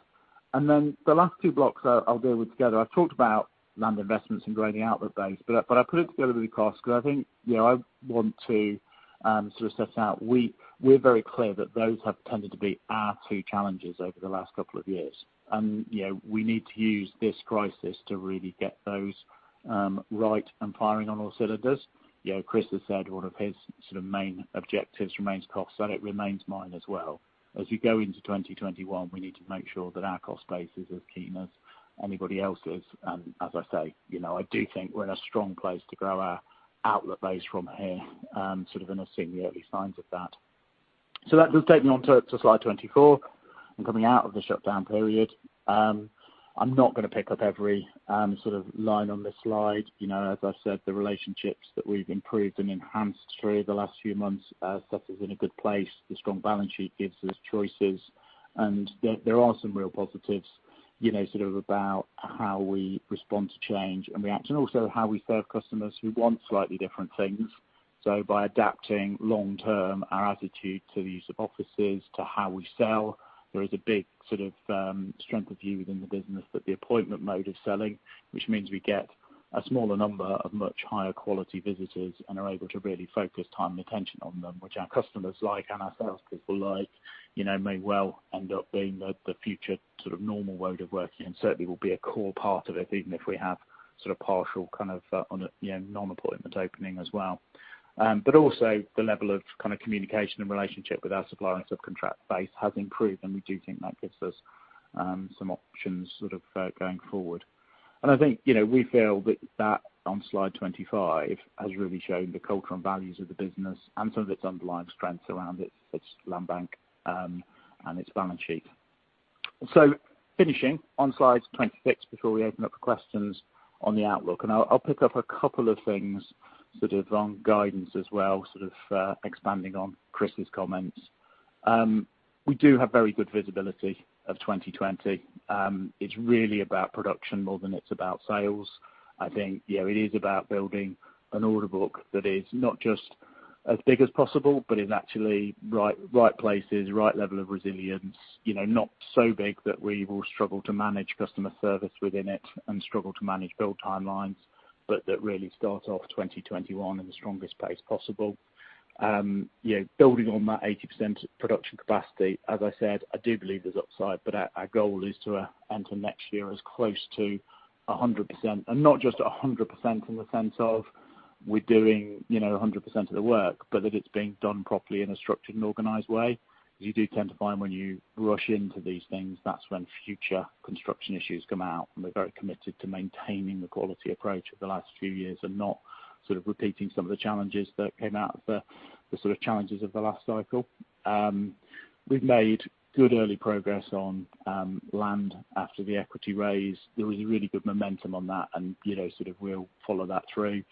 The last two blocks I'll deal with together. I've talked about land investments and growing the outlet base, but I put it together with cost because I think I want to sort of set out, we're very clear that those have tended to be our two challenges over the last couple of years. We need to use this crisis to really get those right and firing on all cylinders. Chris has said one of his main objectives remains costs, and it remains mine as well. As we go into 2021, we need to make sure that our cost base is as keen as anybody else's. As I say, I do think we're in a strong place to grow our outlet base from here. I've seen the early signs of that. That does take me on to slide 24 and coming out of the shutdown period. I'm not going to pick up every line on this slide. As I've said, the relationships that we've improved and enhanced through the last few months are settled in a good place. The strong balance sheet gives us choices, and there are some real positives about how we respond to change and react, and also how we serve customers who want slightly different things. By adapting long-term, our attitude to the use of offices, to how we sell, there is a big strength of view within the business that the appointment mode is selling, which means we get a smaller number of much higher quality visitors and are able to really focus time and attention on them, which our customers like and our salespeople like. May well end up being the future normal mode of working and certainly will be a core part of it, even if we have partial on a non-appointment opening as well. Also the level of communication and relationship with our suppliers subcontract base has improved, and we do think that gives us some options going forward. I think, we feel that on slide 25 has really shown the culture and values of the business and some of its underlying strengths around its land bank and its balance sheet. Finishing on slide 26 before we open up for questions on the outlook, and I'll pick up a couple of things on guidance as well, expanding on Chris's comments. We do have very good visibility of 2020. It's really about production more than it's about sales. I think, yeah, it is about building an order book that is not just as big as possible, but is actually right places, right level of resilience, not so big that we will struggle to manage customer service within it and struggle to manage build timelines, but that really starts off 2021 in the strongest place possible. Building on that 80% production capacity, as I said, I do believe there's upside. Our goal is to enter next year as close to 100%, and not just 100% in the sense of we're doing 100% of the work, but that it's being done properly in a structured and organized way. You do tend to find when you rush into these things, that's when future construction issues come out, and we're very committed to maintaining the quality approach of the last few years and not repeating some of the challenges that came out of the challenges of the last cycle. We've made good early progress on land after the equity raise. There was really good momentum on that, and we'll follow that through.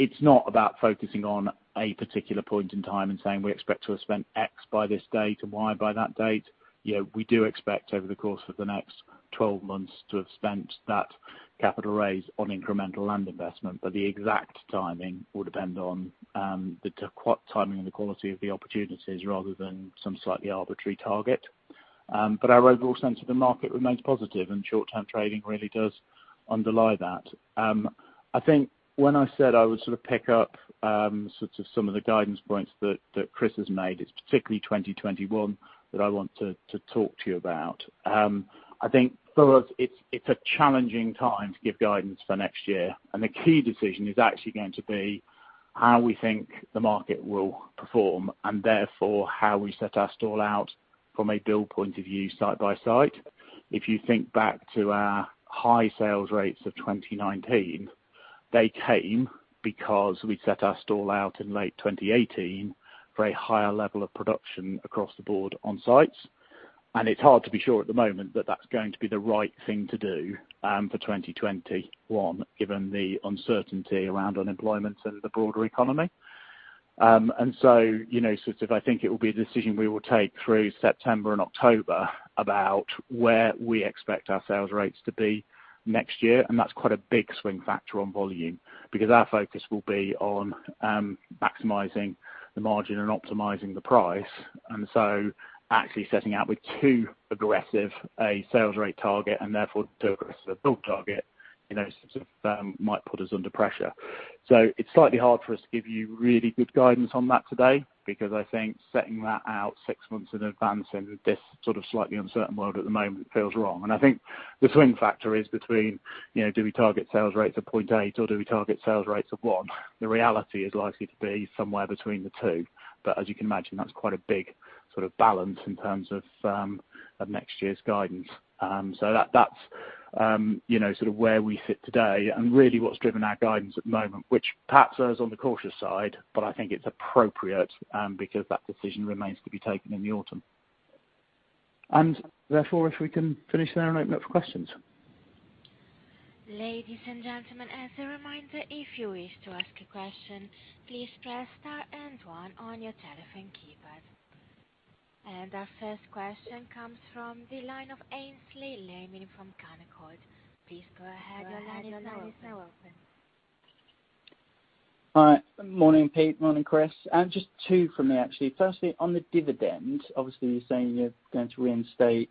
It's not about focusing on a particular point in time and saying we expect to have spent X by this date and Y by that date. We do expect over the course of the next 12 months to have spent that capital raise on incremental land investment, but the exact timing will depend on the timing and the quality of the opportunities rather than some slightly arbitrary target. Our overall sense of the market remains positive and short-term trading really does underlie that. I think when I said I would pick up some of the guidance points that Chris has made, it's particularly 2021 that I want to talk to you about. I think for us, it's a challenging time to give guidance for next year, and the key decision is actually going to be how we think the market will perform, and therefore how we set our stall out from a build point of view site by site. If you think back to our high sales rates of 2019, they came because we set our stall out in late 2018 for a higher level of production across the board on sites. It's hard to be sure at the moment that's going to be the right thing to do for 2021, given the uncertainty around unemployment and the broader economy. I think it will be a decision we will take through September and October about where we expect our sales rates to be next year, and that's quite a big swing factor on volume because our focus will be on maximizing the margin and optimizing the price. Actually setting out with too aggressive a sales rate target and therefore too aggressive a build target, might put us under pressure. It's slightly hard for us to give you really good guidance on that today because I think setting that out six months in advance in this slightly uncertain world at the moment feels wrong. I think the swing factor is between, do we target sales rates of 0.8 or do we target sales rates of one? The reality is likely to be somewhere between the two. As you can imagine, that's quite a big balance in terms of next year's guidance. That's where we sit today and really what's driven our guidance at the moment, which perhaps is on the cautious side, but I think it's appropriate because that decision remains to be taken in the autumn. Therefore, if we can finish there and open up for questions. Ladies and gentlemen, as a reminder, if you wish to ask a question, please press star and one on your telephone keypad. Our first question comes from the line of Aynsley Lammin from Canaccord. Please go ahead, your line is now open. All right. Morning, Pete. Morning, Chris. Just two from me, actually. Firstly, on the dividend, obviously you're saying you're going to reinstate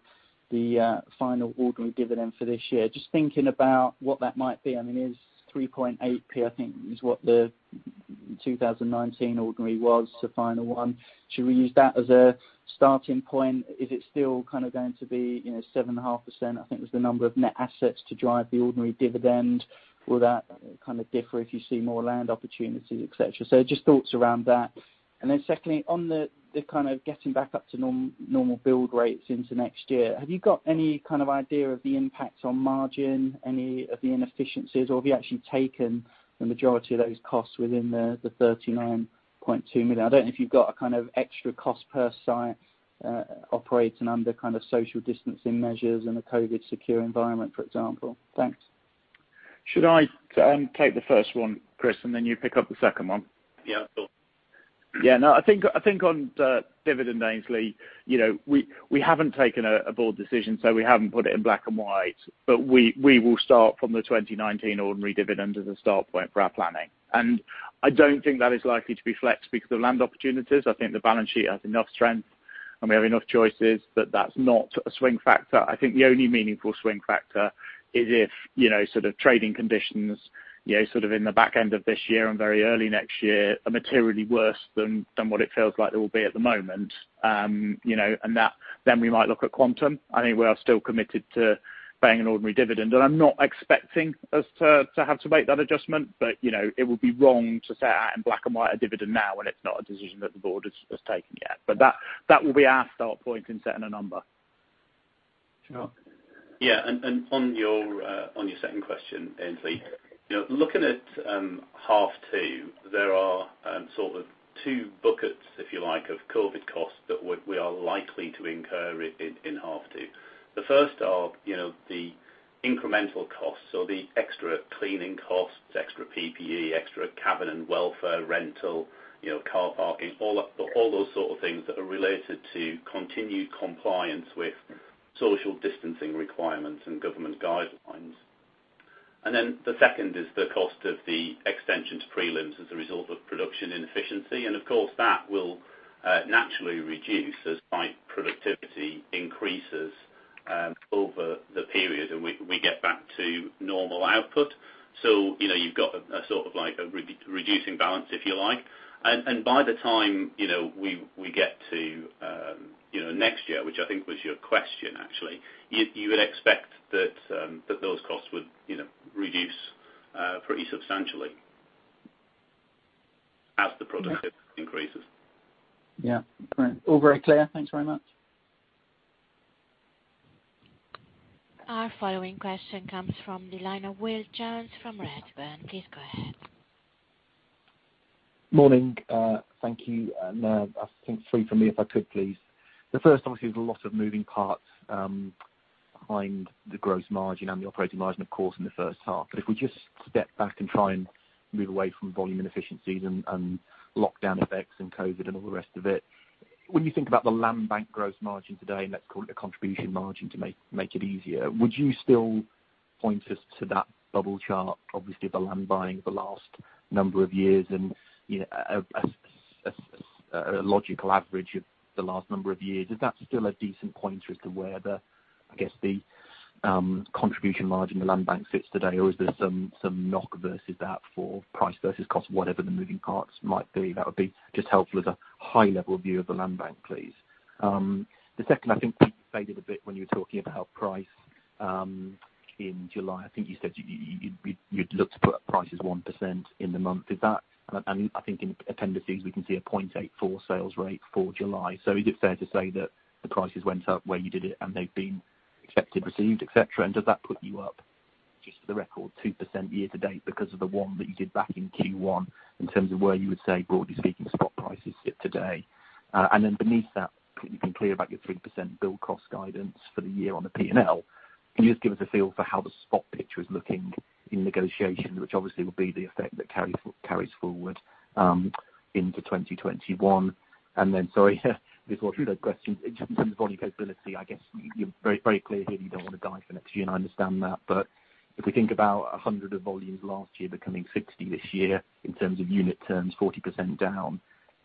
the final ordinary dividend for this year. Just thinking about what that might be. It is 0.038, I think is what the 2019 ordinary was, the final one. Should we use that as a starting point? Is it still going to be 7.5%? I think was the number of net assets to drive the ordinary dividend. Will that differ if you see more land opportunities, et cetera? Just thoughts around that. Secondly, on the getting back up to normal build rates into next year, have you got any idea of the impact on margin, any of the inefficiencies, or have you actually taken the majority of those costs within the 39.2 million? I don't know if you've got an extra cost per site operating under social distancing measures in a COVID secure environment, for example. Thanks. Should I take the first one, Chris, and then you pick up the second one? Yeah, sure. Yeah, no, I think on dividend, Aynsley, we haven't taken a board decision, so we haven't put it in black and white. We will start from the 2019 ordinary dividend as a start point for our planning. I don't think that is likely to be flexed because of land opportunities. I think the balance sheet has enough strength, and we have enough choices that that's not a swing factor. I think the only meaningful swing factor is if trading conditions in the back end of this year and very early next year are materially worse than what it feels like they will be at the moment. We might look at quantum. I think we are still committed to paying an ordinary dividend, and I'm not expecting us to have to make that adjustment. It would be wrong to set out in black and white a dividend now when it's not a decision that the board has taken yet. That will be our start point in setting a number. Sure. Yeah. On your second question, Aynsley, looking at half two, there are two buckets, if you like, of COVID costs that we are likely to incur in half two. The first are the incremental costs or the extra cleaning costs, extra PPE, extra cabin and welfare rental, car parking, all those sort of things that are related to continued compliance with social distancing requirements and government guidelines. The second is the cost of the extension to prelims as a result of production inefficiency. Of course, that will naturally reduce as site productivity increases over the period, and we get back to normal output. You've got a reducing balance, if you like. By the time we get to next year, which I think was your question, actually, you would expect that those costs would reduce pretty substantially as the productivity increases. Yeah. Great. All very clear. Thanks very much. Our following question comes from the line of Will Jones from Redburn. Please go ahead. Morning. Thank you. I think three from me, if I could, please. Obviously, there's a lot of moving parts behind the gross margin and the operating margin, of course, in the first half. If we just step back and try and move away from volume inefficiencies and lockdown effects and COVID and all the rest of it. When you think about the land bank gross margin today, and let's call it a contribution margin to make it easier, would you still point us to that bubble chart, obviously, of the land buying of the last number of years and a logical average of the last number of years? Is that still a decent pointer as to where the contribution margin the land bank sits today, or is there some knock versus that for price versus cost, whatever the moving parts might be? That would be just helpful as a high-level view of the land bank, please. The second, I think Pete faded a bit when you were talking about price in July. I think you said you'd look to put prices 1% in the month. I think in appendices, we can see a 0.84 sales rate for July. Is it fair to say that the prices went up where you did it and they've been accepted, received, et cetera? Does that put you up, just for the record, 2% year-to-date because of the one that you did back in Q1 in terms of where you would say, broadly speaking, spot prices sit today? Beneath that, you've been clear about your 3% build cost guidance for the year on the P&L. Can you just give us a feel for how the spot picture is looking in negotiations, which obviously will be the effect that carries forward into 2021? Then, sorry, this was really a question just in terms of volume capability, I guess you're very clear here you don't want to guide for next year, and I understand that. If we think about 100 of volumes last year becoming 60 this year, in terms of unit terms, 40% down,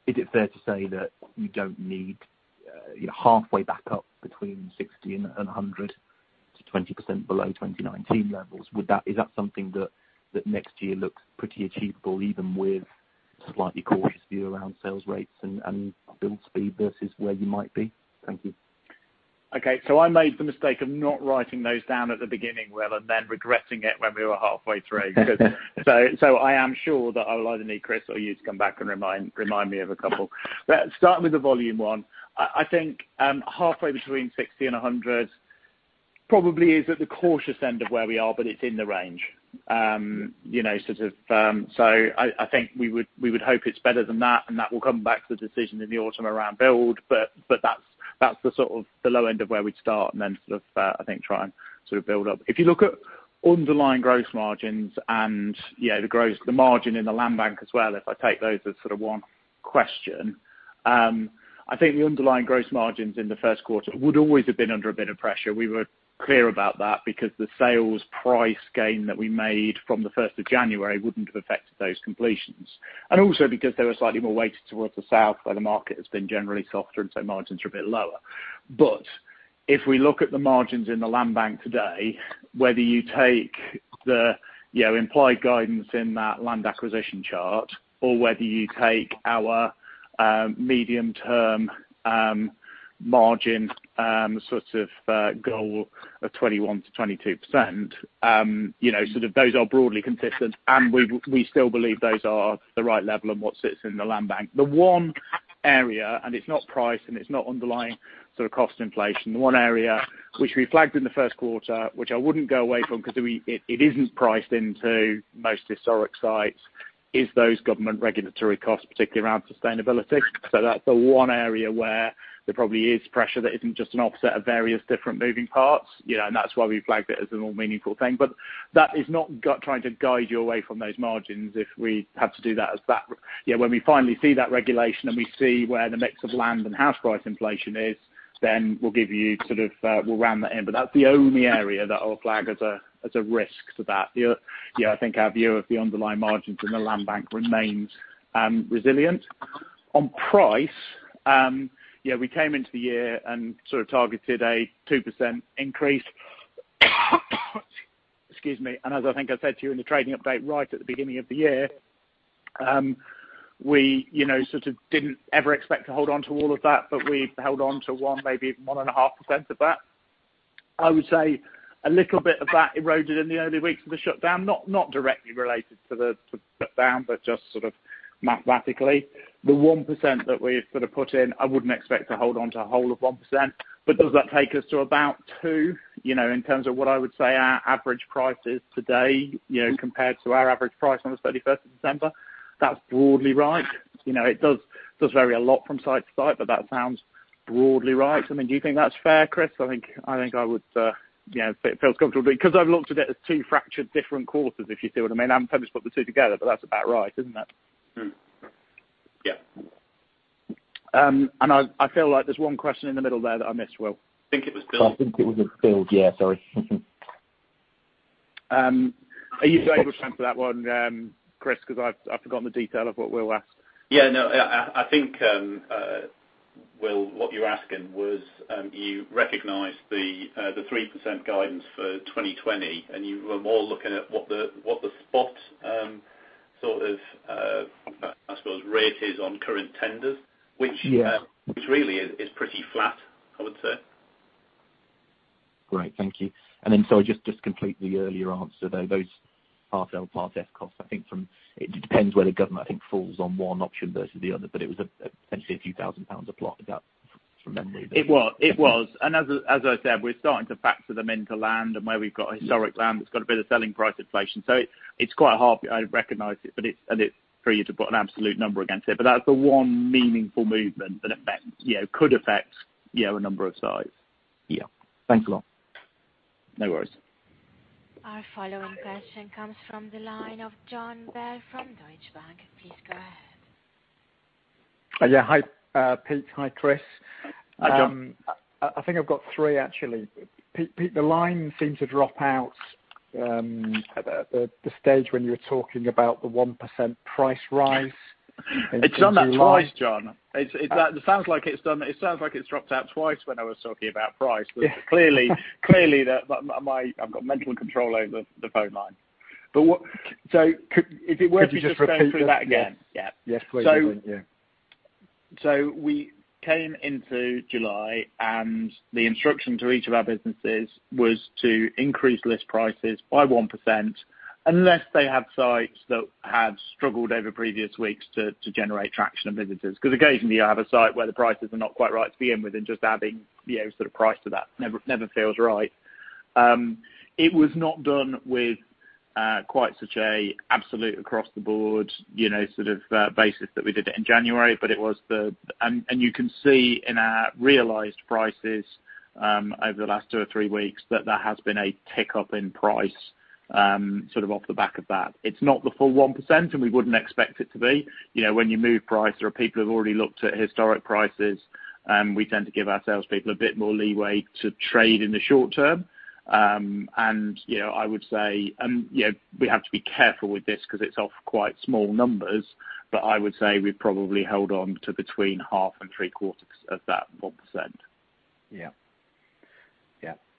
is it fair to say that you don't need halfway back up between 60 and 100 to 20% below 2019 levels? Is that something that next year looks pretty achievable, even with a slightly cautious view around sales rates and build speed versus where you might be? Thank you. Okay. I made the mistake of not writing those down at the beginning, Will, and then regretting it when we were halfway through. I am sure that I will either need Chris or you to come back and remind me of a couple. Let's start with the volume one. I think halfway between 60 and 100 probably is at the cautious end of where we are, but it's in the range. I think we would hope it's better than that, and that will come back to the decision in the autumn around build. That's the low end of where we'd start and then I think try and build up. If you look at underlying growth margins and the margin in the land bank as well, if I take those as one question, I think the underlying growth margins in the first quarter would always have been under a bit of pressure. We were clear about that because the sales price gain that we made from the 1st of January wouldn't have affected those completions. Also because they were slightly more weighted towards the south, where the market has been generally softer, and so margins are a bit lower. If we look at the margins in the land bank today, whether you take the implied guidance in that land acquisition chart or whether you take our medium-term margin goal of 21%-22%, those are broadly consistent, and we still believe those are the right level and what sits in the land bank. The one area, and it's not price, and it's not underlying cost inflation, the one area which we flagged in the first quarter, which I wouldn't go away from because it isn't priced into most historic sites. Is those government regulatory costs, particularly around sustainability. That's the one area where there probably is pressure that isn't just an offset of various different moving parts. That's why we flagged it as a more meaningful thing. That is not trying to guide you away from those margins if we have to do that as that. When we finally see that regulation and we see where the mix of land and house price inflation is, then we'll round that in. That's the only area that I'll flag as a risk to that. I think our view of the underlying margins in the land bank remains resilient. On price, we came into the year and targeted a 2% increase. Excuse me. As I think I said to you in the trading update right at the beginning of the year, we didn't ever expect to hold on to all of that, but we've held on to one, maybe 1.5% of that. I would say a little bit of that eroded in the early weeks of the shutdown, not directly related to the shutdown, but just mathematically. The 1% that we put in, I wouldn't expect to hold on to a whole of 1%, but does that take us to about 2% in terms of what I would say our average price is today, compared to our average price on the 31st of December? That's broadly right. It does vary a lot from site to site, but that sounds broadly right. Do you think that's fair, Chris? I think it feels comfortable to me because I've looked at it as two fractured different quarters, if you see what I mean. I haven't tended to put the two together, but that's about right, isn't it? Yeah. I feel like there's one question in the middle there that I missed, Will. I think it was Will. I think it was [build]. Yeah, sorry. Are you able to answer that one, Chris, because I've forgotten the detail of what Will asked? Yeah, no. I think, Will, what you're asking was, you recognized the 3% guidance for 2020, and you were more looking at what the spot, I suppose, rate is on current tenders. Yeah. Which really is pretty flat, I would say. Great. Thank you. Just to complete the earlier answer there, those Part L, Part F costs, I think it depends where the government, I think, falls on one option versus the other, but it was essentially a few thousand pound a plot. That's from memory. It was. As I said, we're starting to factor them into land and where we've got historic land that's got a bit of selling price inflation. It's quite hard, I recognize it, and it's for you to put an absolute number against it. That's the one meaningful movement that could affect a number of sites. Yeah. Thanks a lot. No worries. Our following question comes from the line of Jon Bell from Deutsche Bank. Please go ahead. Yeah. Hi, Pete. Hi, Chris. Hi, Jon. I think I've got three, actually. Pete, the line seemed to drop out at the stage when you were talking about the 1% price rise. It's done that twice, Jon. It sounds like it's dropped out twice when I was talking about price. Yeah. Clearly, I've got mental control over the phone line. Could you just repeat that? If it were to just go through that again? Yeah. Please do, yeah. We came into July, and the instruction to each of our businesses was to increase list prices by 1%, unless they had sites that had struggled over previous weeks to generate traction and visitors. Occasionally I have a site where the prices are not quite right to begin with, and just adding price to that never feels right. It was not done with quite such a absolute across the board basis that we did it in January. You can see in our realized prices over the last two or three weeks that there has been a tick up in price off the back of that. It's not the full 1%, and we wouldn't expect it to be. When you move price, there are people who've already looked at historic prices, we tend to give our salespeople a bit more leeway to trade in the short-term. I would say we have to be careful with this because it's off quite small numbers, but I would say we've probably held on to between half and three-quarters of that 1%. Yeah.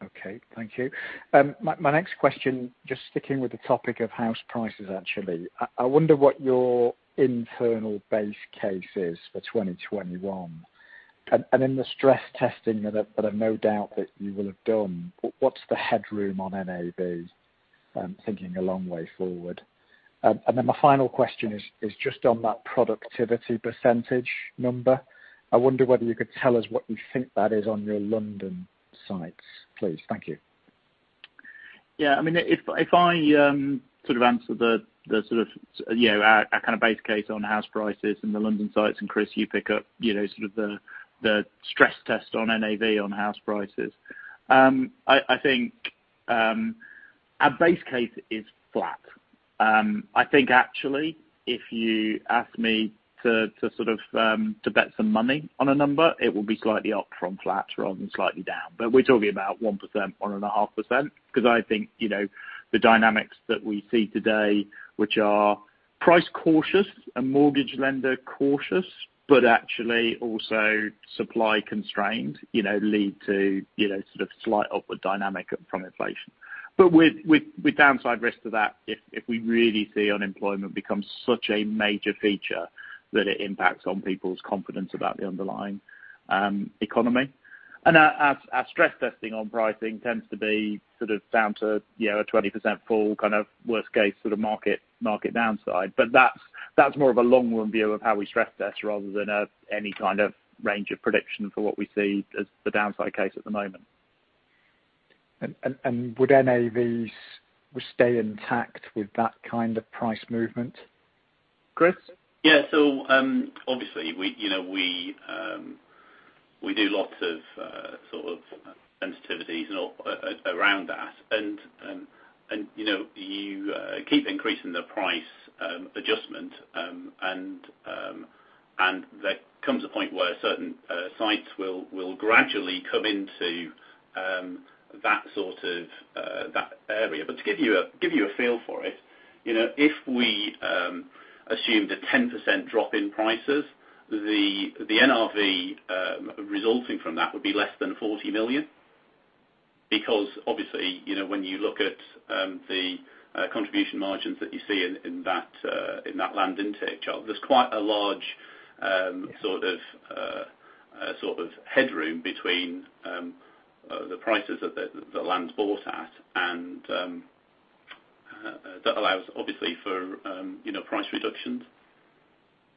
Okay. Thank you. My next question, just sticking with the topic of house prices, actually. I wonder what your internal base case is for 2021, and in the stress testing that I've no doubt that you will have done, what's the headroom on NAV? I'm thinking a long way forward. My final question is just on that productivity percentage number. I wonder whether you could tell us what you think that is on your London sites, please. Thank you. If I answer the base case on house prices and the London sites, Chris, you pick up the stress test on NAV on house prices. I think our base case is flat. I think actually if you asked me to bet some money on a number, it would be slightly up from flat rather than slightly down. We're talking about 1%, 1.5%, because I think the dynamics that we see today, which are price cautious and mortgage lender cautious, but actually also supply constrained lead to slight upward dynamic from inflation. With downside risk to that, if we really see unemployment become such a major feature that it impacts on people's confidence about the underlying economy. Our stress testing on pricing tends to be down to a 20% fall worst case market downside. That's more of a long-run view of how we stress test rather than any kind of range of prediction for what we see as the downside case at the moment. Would NAVs stay intact with that kind of price movement? Chris? Yeah. Obviously, we do lots of sensitivities around that. You keep increasing the price adjustment, and there comes a point where certain sites will gradually come into that area. To give you a feel for it, if we assumed a 10% drop in prices, the NRV resulting from that would be less than 40 million. Because obviously, when you look at the contribution margins that you see in that land intake, [Charles], headroom between the prices that the land's bought at, and that allows obviously for price reductions.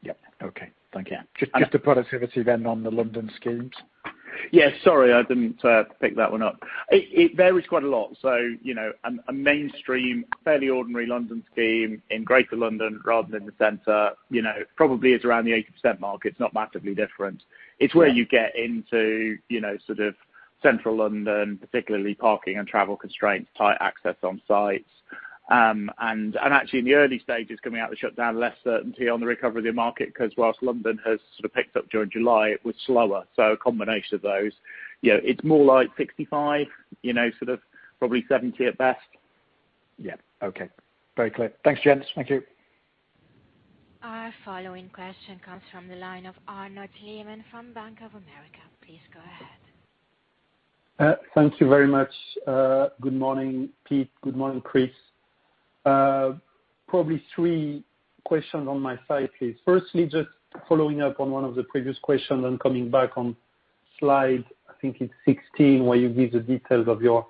Yeah. Okay. Thank you. Just the productivity then on the London schemes. Yeah, sorry, I didn't pick that one up. A mainstream, fairly ordinary London scheme in Greater London rather than the center, probably is around the 80% mark. It's not massively different. It's where you get into central London, particularly parking and travel constraints, tight access on sites. And actually in the early stages coming out of the shutdown, less certainty on the recovery of the market, because whilst London has picked up during July, it was slower. A combination of those. It's more like 65%, probably 70% at best. Yeah. Okay. Very clear. Thanks, gents. Thank you. Our following question comes from the line of Arnaud Lehmann from Bank of America. Please go ahead. Thank you very much. Good morning, Pete. Good morning, Chris. Probably three questions on my side, please. Firstly, just following-up on one of the previous questions and coming back on slide 16, where you give the details of your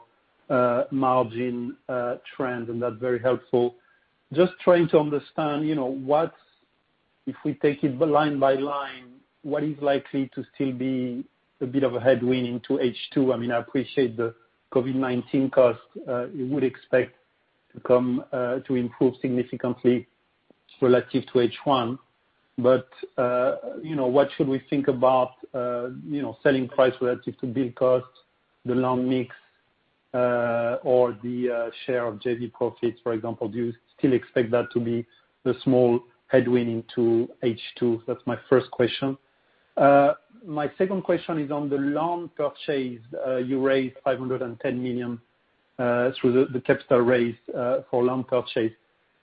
margin trend, and that's very helpful. Just trying to understand, if we take it line-by-line, what is likely to still be a bit of a headwind into H2? I appreciate the COVID-19 cost, you would expect to improve significantly relative to H1. What should we think about selling price relative to bill cost, the land mix, or the share of JV profits, for example? Do you still expect that to be the small headwind into H2? That's my first question. My second question is on the land purchase. You raised 510 million through the capital raise for land purchase.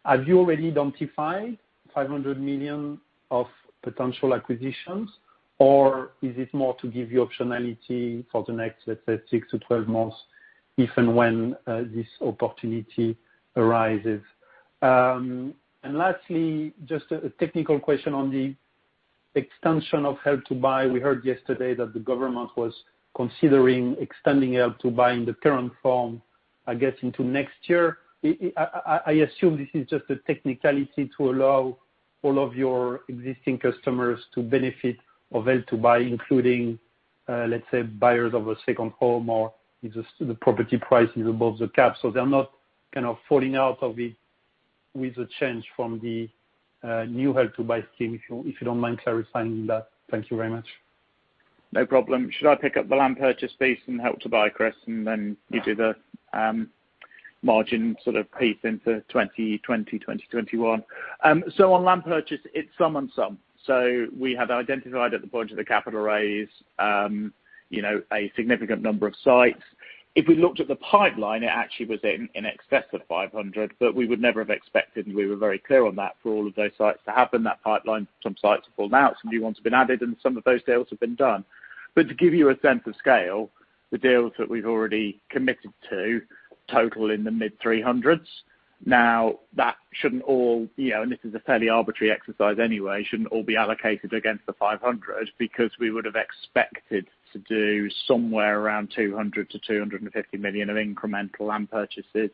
Have you already identified 500 million of potential acquisitions, or is it more to give you optionality for the next, let's say, 6 to 12 months if and when this opportunity arises? Lastly, just a technical question on the extension of Help to Buy. We heard yesterday that the government was considering extending Help to Buy in the current form, I guess, into next year. I assume this is just a technicality to allow all of your existing customers to benefit of Help to Buy, including, let's say, buyers of a second home or if the property price is above the cap, so they're not falling out of it with the change from the new Help to Buy scheme. If you don't mind clarifying that. Thank you very much. No problem. Should I pick up the land purchase piece and Help to Buy, Chris, and then you do the margin piece into 2020, 2021? On land purchase, it's some and some. We had identified at the point of the capital raise a significant number of sites. If we looked at the pipeline, it actually was in excess of 500, but we would never have expected, and we were very clear on that, for all of those sites to have been that pipeline. Some sites have fallen out, some new ones have been added, and some of those deals have been done. To give you a sense of scale, the deals that we've already committed to total in the mid-300s. That shouldn't all, and this is a fairly arbitrary exercise anyway, shouldn't all be allocated against the 500 million because we would have expected to do somewhere around 200 million-250 million of incremental land purchases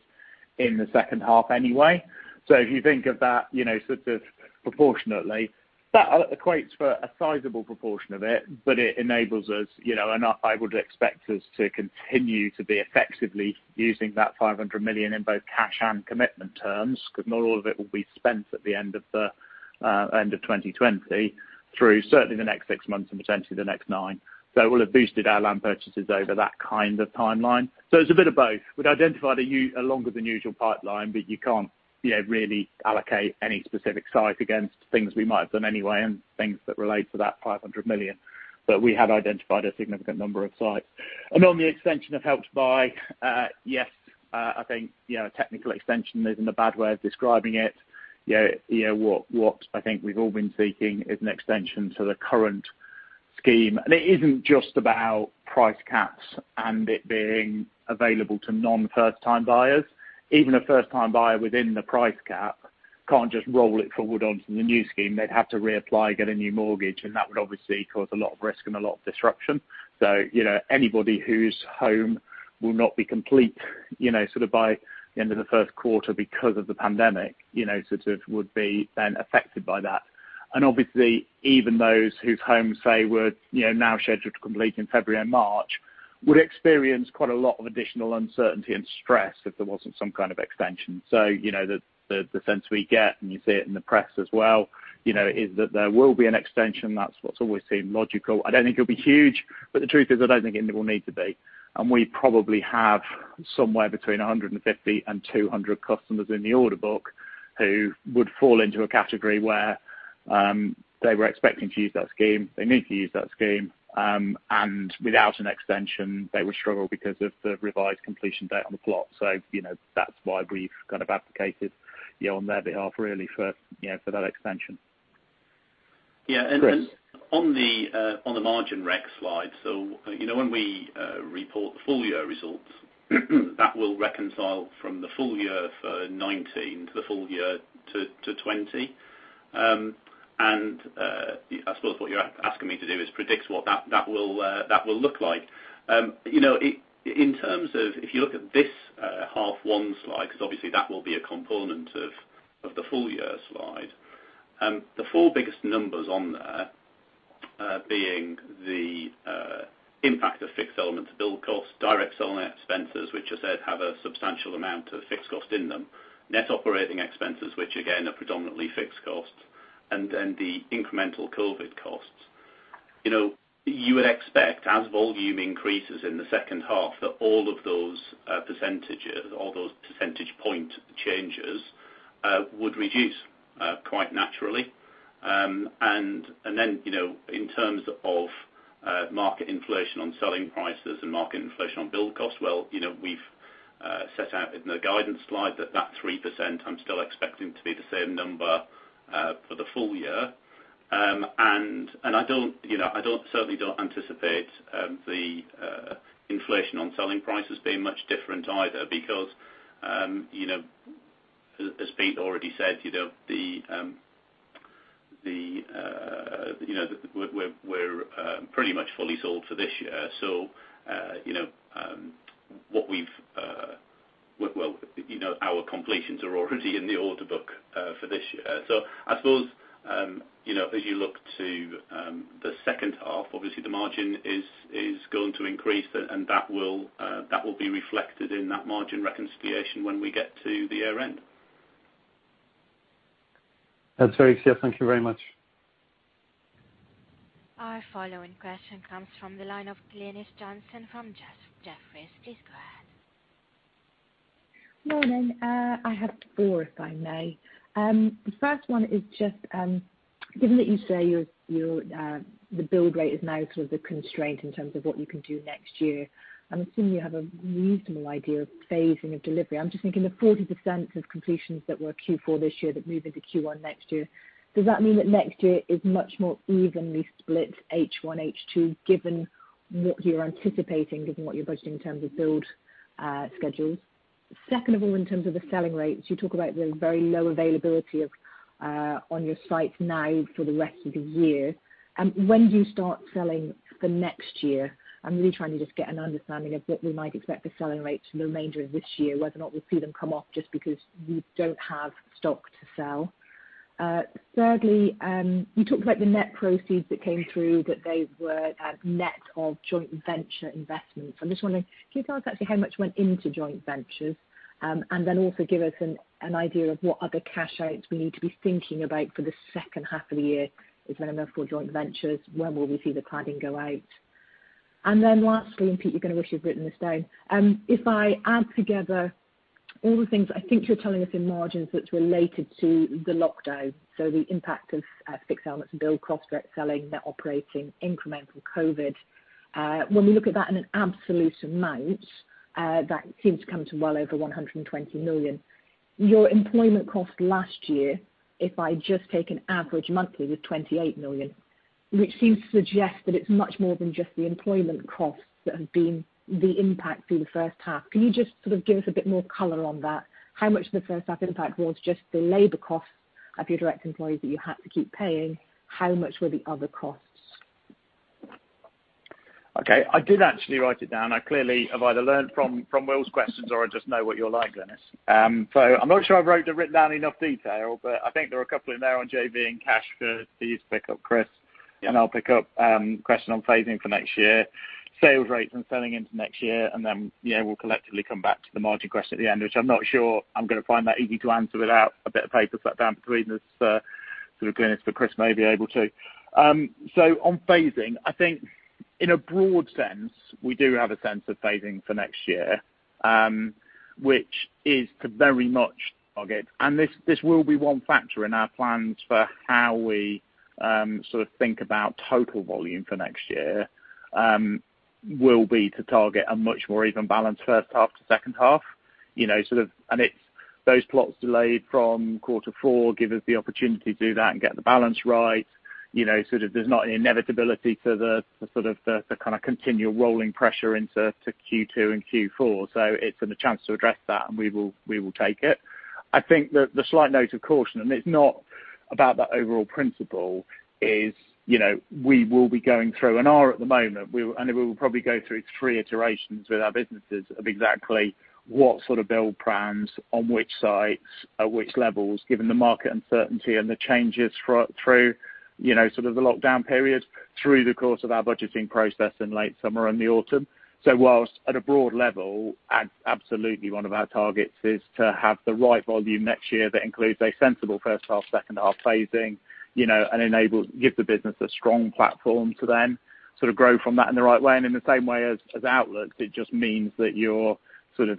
in the second half anyway. If you think of that proportionately, that equates for a sizable proportion of it, but it enables us and I would expect us to continue to be effectively using that 500 million in both cash and commitment terms, because not all of it will be spent at the end of 2020 through certainly the next six months and potentially the next nine. It will have boosted our land purchases over that kind of timeline. It's a bit of both. We'd identified a longer than usual pipeline, but you can't really allocate any specific site against things we might have done anyway and things that relate to that 500 million. We have identified a significant number of sites. On the extension of Help to Buy, yes. I think technical extension isn't a bad way of describing it. What I think we've all been seeking is an extension to the current scheme. It isn't just about price caps and it being available to non-first time buyers. Even a first time buyer within the price cap can't just roll it forward onto the new scheme. They'd have to reapply, get a new mortgage, and that would obviously cause a lot of risk and a lot of disruption. Anybody whose home will not be complete By the end of the first quarter because of the pandemic would be then affected by that. Obviously even those whose homes say were now scheduled to complete in February and March would experience quite a lot of additional uncertainty and stress if there wasn't some kind of extension. The sense we get, and you see it in the press as well, is that there will be an extension. That's what's always seemed logical. I don't think it'll be huge, but the truth is I don't think it will need to be. We probably have somewhere between 150 and 200 customers in the order book who would fall into a category where they were expecting to use that scheme. They need to use that scheme. Without an extension, they would struggle because of the revised completion date on the plot. That's why we've advocated on their behalf really for that extension. Yeah. On the margin rec slide, so when we report the full-year results, that will reconcile from the full-year for 2019 to the full-year to 2020. I suppose what you're asking me to do is predict what that will look like. In terms of if you look at this H1 slide, because obviously that will be a component of the full-year slide. The four biggest numbers on there being the impact of fixed elements of build cost, direct selling expenses, which I said have a substantial amount of fixed cost in them, net operating expenses, which again are predominantly fixed costs and then the incremental COVID costs. You would expect as volume increases in the second half that all of those percentages, all those percentage point changes, would reduce quite naturally. Then, in terms of market inflation on selling prices and market inflation on build costs, well, we've set out in the guidance slide that that 3% I'm still expecting to be the same number for the full-year. I certainly don't anticipate the inflation on selling prices being much different either because as Pete already said, we're pretty much fully sold for this year. Our completions are already in the order book for this year. I suppose as you look to the second half, obviously the margin is going to increase and that will be reflected in that margin reconciliation when we get to the year end. That's very clear. Thank you very much. Our following question comes from the line of Glynis Johnson from Jefferies. Please go ahead. Morning. I have four, if I may. The first one is just given that you say the build rate is now sort of the constraint in terms of what you can do next year, I'm assuming you have a reasonable idea of phasing of delivery. I'm just thinking the 40% of completions that were Q4 this year, that move into Q1 next year, does that mean that next year is much more evenly split H1, H2 given what you're anticipating, given what you're budgeting in terms of build schedules? Second of all, in terms of the selling rates, you talk about the very low availability on your sites now for the rest of the year. When do you start selling for next year? I'm really trying to just get an understanding of what we might expect for selling rates for the remainder of this year, whether or not we'll see them come off just because you don't have stock to sell. Thirdly, you talked about the net proceeds that came through that they were net of joint venture investments. I'm just wondering, can you tell us actually how much went into joint ventures? Also give us an idea of what other cash outs we need to be thinking about for the second half of the year. Is there a [outflow] joint ventures? When will we see the planning go out? Lastly, Pete, you're going to wish you'd written this down. If I add together all the things I think you're telling us in margins that's related to the lockdown, so the impact of fixed elements and build costs, direct selling, net operating, incremental COVID. When we look at that in an absolute amount, that seems to come to well over 120 million. Your employment cost last year, if I just take an average monthly was 28 million, which seems to suggest that it's much more than just the employment costs that have been the impact through the first half. Can you just sort of give us a bit more color on that? How much of the first half impact was just the labor costs of your direct employees that you had to keep paying? How much were the other costs? Okay. I did actually write it down. I clearly have either learned from Will's questions or I just know what you're like, Glynis. I'm not sure I wrote down enough detail, but I think there are a couple in there on JV and cash for you to pick up, Chris. I'll pick up question on phasing for next year, sales rates and selling into next year. We'll collectively come back to the margin question at the end, which I'm not sure I'm going to find that easy to answer without a bit of paper set down between us for Glynis, but Chris may be able to. On phasing, I think in a broad sense, we do have a sense of phasing for next year, which is to very much target. This will be one factor in our plans for how we think about total volume for next year will be to target a much more even balance first half to second half. It's those plots delayed from quarter four give us the opportunity to do that and get the balance right. There's not an inevitability to the kind of continual rolling pressure into Q2 and Q4. It's a chance to address that, and we will take it. I think that the slight note of caution, and it's not about that overall principle, is we will be going through and are at the moment, and we will probably go through three iterations with our businesses of exactly what sort of build plans, on which sites, at which levels, given the market uncertainty and the changes through the lockdown period, through the course of our budgeting process in late summer and the autumn. Whilst at a broad level, absolutely one of our targets is to have the right volume next year that includes a sensible first half, second half phasing and gives the business a strong platform to then grow from that in the right way. In the same way as outlook, it just means that you're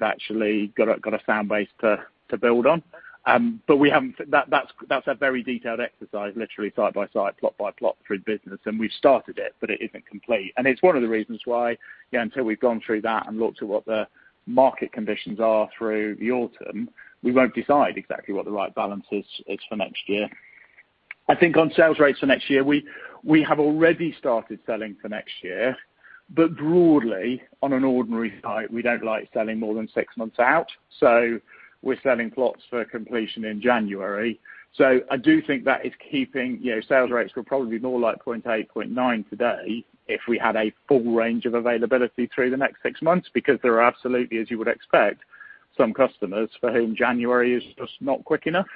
actually got a sound base to build on. That's a very detailed exercise, literally side by side, plot by plot through the business. We've started it, but it isn't complete. It's one of the reasons why, until we've gone through that and looked at what the market conditions are through the autumn, we won't decide exactly what the right balance is for next year. I think on sales rates for next year, we have already started selling for next year. Broadly, on an ordinary site, we don't like selling more than six months out. We're selling plots for completion in January. I do think that sales rates will probably be more like 0.8, 0.9 today if we had a full range of availability through the next six months, because there are absolutely, as you would expect, some customers for whom January is just not quick enough.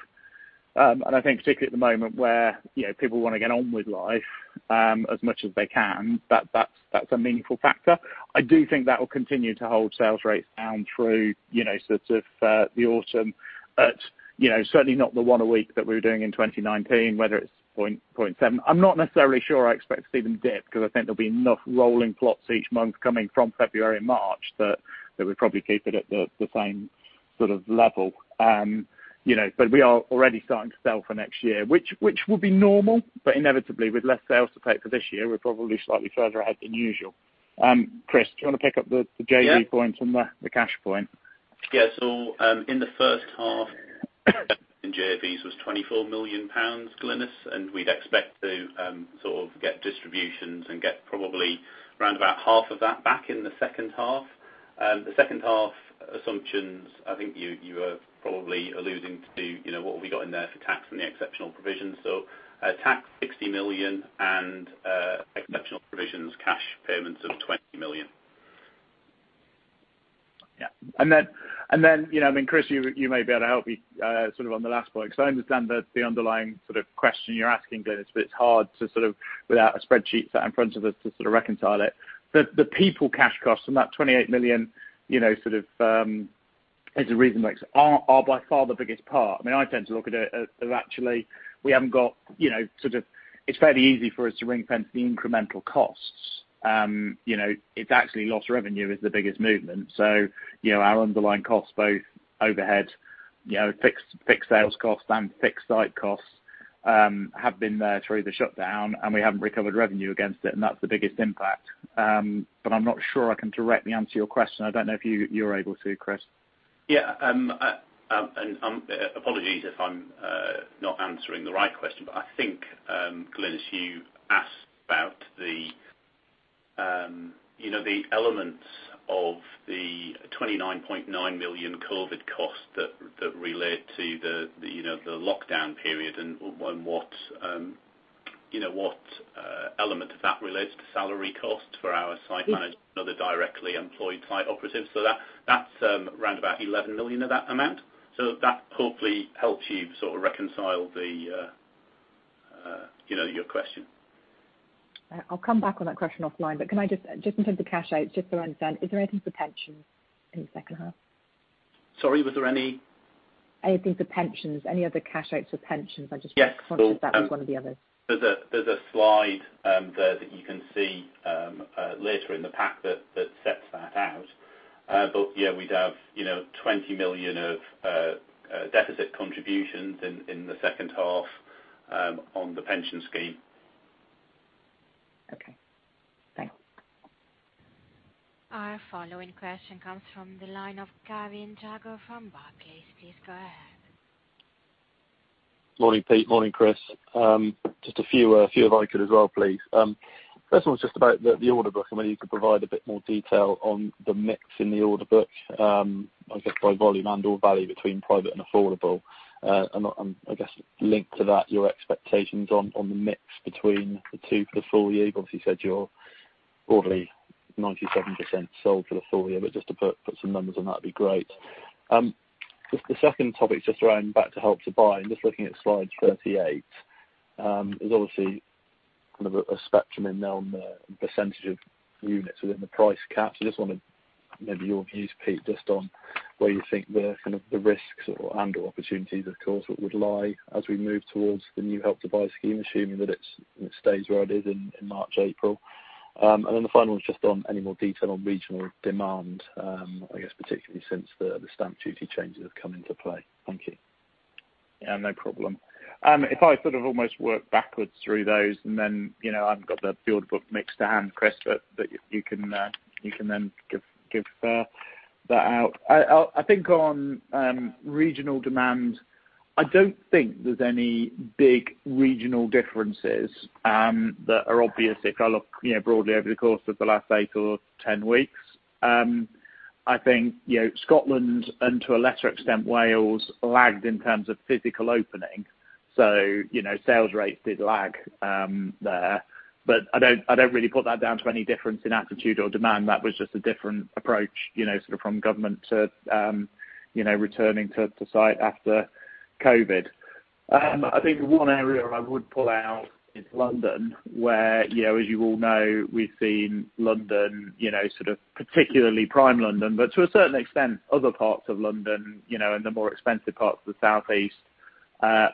I think particularly at the moment where people want to get on with life, as much as they can, that's a meaningful factor. I do think that will continue to hold sales rates down through the autumn. Certainly not the one a week that we were doing in 2019, whether it's 0.7. I'm not necessarily sure I expect to see them dip, because I think there'll be enough rolling plots each month coming from February and March that we probably keep it at the same sort of level. We are already starting to sell for next year, which will be normal, but inevitably with less sales to take for this year, we're probably slightly further ahead than usual. Chris, do you want to pick up the JV point and the cash point? Yeah. In the first half in JVs was 24 million pounds, Glynis, and we'd expect to sort of get distributions and get probably around about half of that back in the second half. The second half assumptions, I think you were probably alluding to what we got in there for tax and the exceptional provisions. Tax 60 million and exceptional provisions, cash payments of 20 million. Yeah. And then, Chris, you may be able to help me on the last point, because I understand that the underlying question you're asking, Glynis, but it's hard to, without a spreadsheet sat in front of us to reconcile it. The people cash costs and that 28 million, [is a region], are by far the biggest part. I tend to look at it as actually it's fairly easy for us to ring-fence the incremental costs. It's actually lost revenue is the biggest movement. Our underlying costs, both overhead, fixed sales costs, and fixed site costs, have been there through the shutdown, and we haven't recovered revenue against it, and that's the biggest impact. I'm not sure I can directly answer your question. I don't know if you're able to, Chris. Yeah. Apologies if I'm not answering the right question, but I think, Glynis, you asked about the elements of the 29.9 million COVID cost that relate to the lockdown period and what element of that relates to salary costs for our site managers and other directly employed site operatives. That's around about 11 million of that amount. That hopefully helps you sort of reconcile your question. I'll come back on that question offline. Can I just, in terms of cash outs, just for understand, is there anything for pensions in the second half? Sorry, was there any? Anything for pensions, any other cash outs for pensions? Yes. Conscious that was one of the others. There's a slide there that you can see later in the pack that sets that out. Yeah, we'd have 20 million of deficit contributions in the second half on the pension scheme. Okay. Thanks. Our following question comes from the line of Gavin Jago from Barclays. Please go ahead. Morning, Pete. Morning, Chris. Just a few, if I could as well, please. First one was just about the order book, and whether you could provide a bit more detail on the mix in the order book, I guess by volume and/or value between private and affordable. I guess linked to that, your expectations on the mix between the two for the full-year. Obviously you said you're broadly 97% sold for the full-year, but just to put some numbers on that'd be great. Just the second topic, just around back to Help to Buy and just looking at slide 38. There's obviously kind of a spectrum in there on the percentage of units within the price cap. Just want to maybe your views, Pete, just on where you think the kind of the risks and/or opportunities, of course, would lie as we move towards the new Help to Buy scheme, assuming that it stays where it is in March, April. The final is just on any more detail on regional demand, I guess particularly since the stamp duty changes have come into play. Thank you. Yeah, no problem. If I sort of almost work backwards through those and then I've got the build book mix to hand, Chris, but you can then give that out. I think on regional demand, I don't think there's any big regional differences that are obvious if I look broadly over the course of the last 8 or 10 weeks. I think Scotland, and to a lesser extent Wales, lagged in terms of physical opening. Sales rates did lag there. I don't really put that down to any difference in attitude or demand. That was just a different approach from government to returning to site after COVID. I think one area I would pull out is London, where, as you all know, we've seen London, particularly prime London, but to a certain extent, other parts of London and the more expensive parts of the Southeast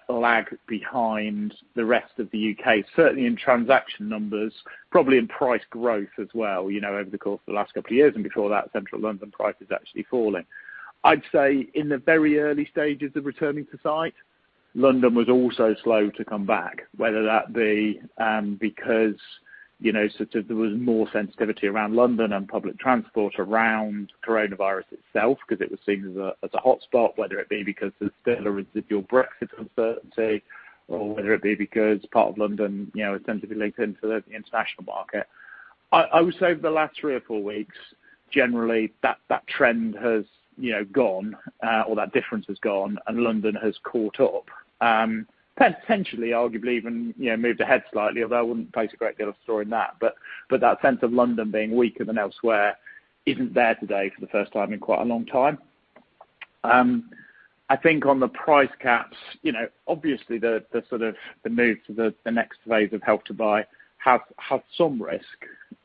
lag behind the rest of the U.K., certainly in transaction numbers, probably in price growth as well over the course of the last couple of years. Before that, central London prices actually falling. I'd say in the very early stages of returning to site, London was also slow to come back, whether that be because there was more sensitivity around London and public transport around coronavirus itself, because it was seen as a hotspot, whether it be because there's still a residual Brexit uncertainty, or whether it be because part of London is tend to be linked into the international market. I would say over the last three or four weeks, generally, that trend has gone, or that difference has gone, and London has caught up. Potentially, arguably even moved ahead slightly, although I wouldn't place a great deal of store in that. That sense of London being weaker than elsewhere isn't there today for the first time in quite a long time. I think on the price caps, obviously the move to the next phase of Help to Buy have had some risk.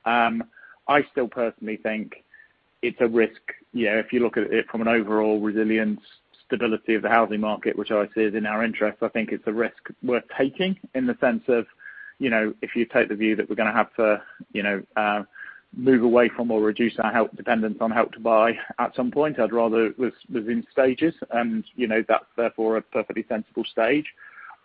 I still personally think it's a risk. If you look at it from an overall resilience, stability of the housing market, which I see is in our interest, I think it's a risk worth taking in the sense of if you take the view that we're going to have to move away from or reduce our dependence on Help to Buy at some point, I'd rather it was in stages, and that's therefore a perfectly sensible stage.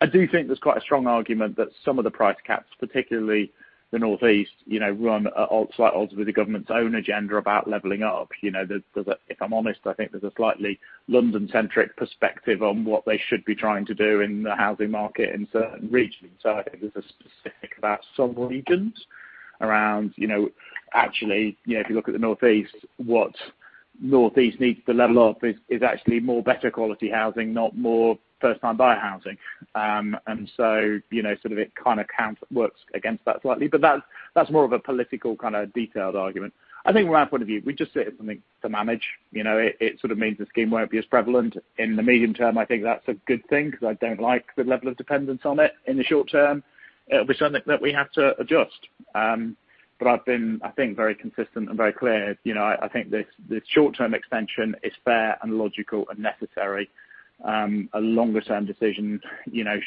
I do think there's quite a strong argument that some of the price caps, particularly the Northeast, run at slight odds with the government's own agenda about leveling up. If I'm honest, I think there's a slightly London-centric perspective on what they should be trying to do in the housing market in certain regions. I think there's a specific about some regions around actually, if you look at the Northeast, what Northeast needs to level up is actually more better quality housing, not more first-time buyer housing. It kind of works against that slightly, but that's more of a political kind of detailed argument. I think from our point of view, we just sit and think, "To manage." It sort of means the scheme won't be as prevalent in the medium-term. I think that's a good thing because I don't like the level of dependence on it in the short-term. It'll be something that we have to adjust. I've been, I think, very consistent and very clear. I think this short-term extension is fair and logical and necessary. A longer-term decision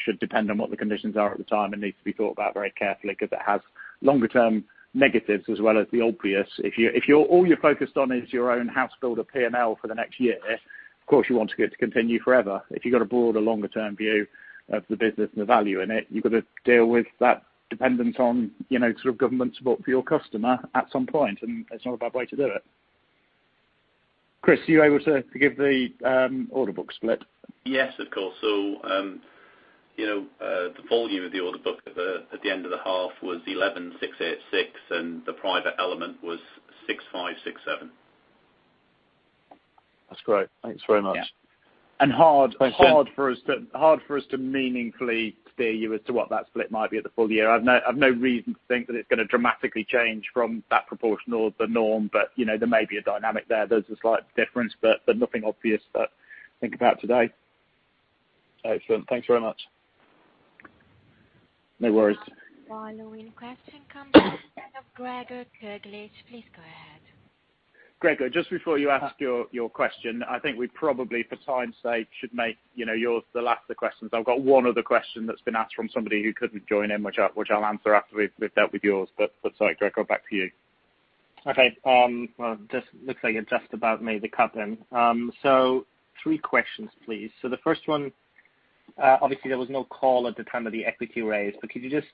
should depend on what the conditions are at the time and needs to be thought about very carefully because it has longer-term negatives as well as the obvious. If all you're focused on is your own house builder P&L for the next year, of course you want it to continue forever. If you've got a broader, longer-term view of the business and the value in it, you've got to deal with that dependence on government support for your customer at some point. It's not a bad way to do it. Chris, are you able to give the order book split? Yes, of course. The volume of the order book at the end of the half was 11,686, and the private element was 6,567. That's great. Thanks very much. Yeah. And hard for us to meaningfully steer you as to what that split might be at the full-year. I've no reason to think that it's going to dramatically change from that proportion or the norm, but there may be a dynamic there. There's a slight difference, but nothing obvious to think about today. Excellent. Thanks very much. No worries. The following question comes from Gregor Kuglitsch. Please go ahead. Gregor, just before you ask your question, I think we probably, for time's sake, should make yours the last of the questions. I've got one other question that's been asked from somebody who couldn't join in, which I'll answer after we've dealt with yours. Sorry, Gregor, back to you. Okay. Well, looks like I just about made the cut. Three questions, please. The first one, obviously there was no call at the time of the equity raise, but could you just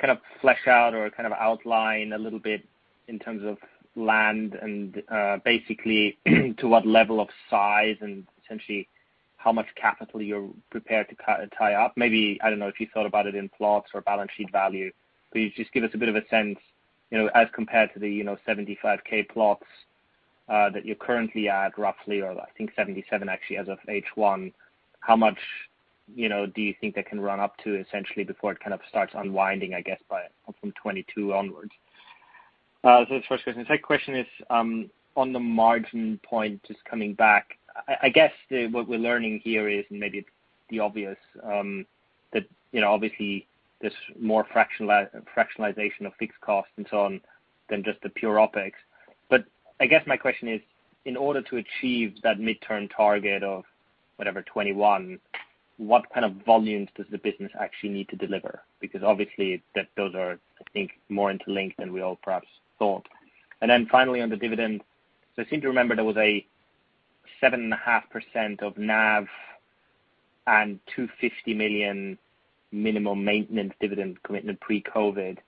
kind of flesh out or kind of outline a little bit in terms of land and basically to what level of size and essentially how much capital you're prepared to tie up? Maybe, I don't know if you thought about it in plots or balance sheet value. Could you just give us a bit of a sense, as compared to the 75,000 plots that you're currently at roughly, or I think 77 actually as of H1, how much do you think that can run up to essentially before it kind of starts unwinding, I guess, from 2022 onwards? That's the first question. The second question is on the margin point just coming back. I guess what we're learning here is maybe the obvious, that obviously there's more fractionalization of fixed costs and so on than just the pure OpEx. I guess my question is, in order to achieve that mid-term target of whatever, 2021, what kind of volumes does the business actually need to deliver? Because obviously, those are, I think, more interlinked than we all perhaps thought. Finally on the dividend. I seem to remember there was a 7.5% of NAV and 250 million minimum maintenance dividend commitment pre-COVID.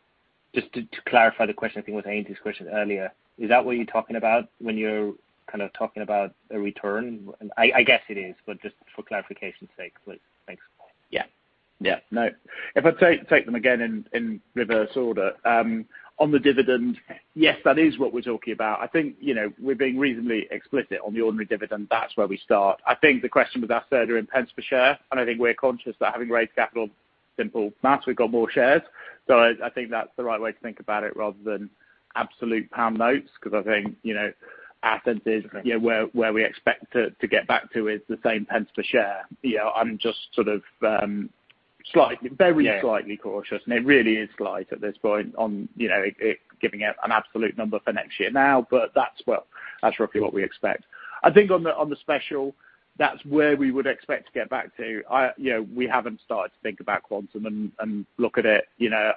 Just to clarify the question, I think with Andy's question earlier, is that what you're talking about when you're talking about a return? I guess it is, but just for clarification's sake. Thanks. No. If I take them again in reverse order. On the dividend, yes, that is what we're talking about. I think, we're being reasonably explicit on the ordinary dividend. That's where we start. I think the question was asked earlier in pence per share, and I think we're conscious that having raised capital, simple math, we've got more shares. I think that's the right way to think about it rather than absolute pound notes, because I think, our sense is where we expect to get back to is the same pence per share. I'm just very slightly cautious, and it really is slight at this point on giving out an absolute number for next year now, but that's roughly what we expect. I think on the special, that's where we would expect to get back to. We haven't started to think about quantum and look at it.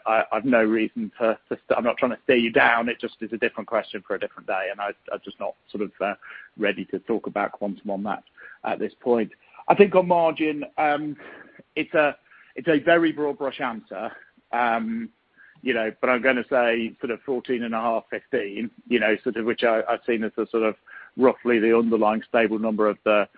I've no reason. I'm not trying to steer you down. It just is a different question for a different day, and I'm just not ready to talk about quantum on that at this point. I think on margin, it's a very broad brush answer, but I'm going to say 14.5, 15, which I've seen as roughly the underlying stable number of the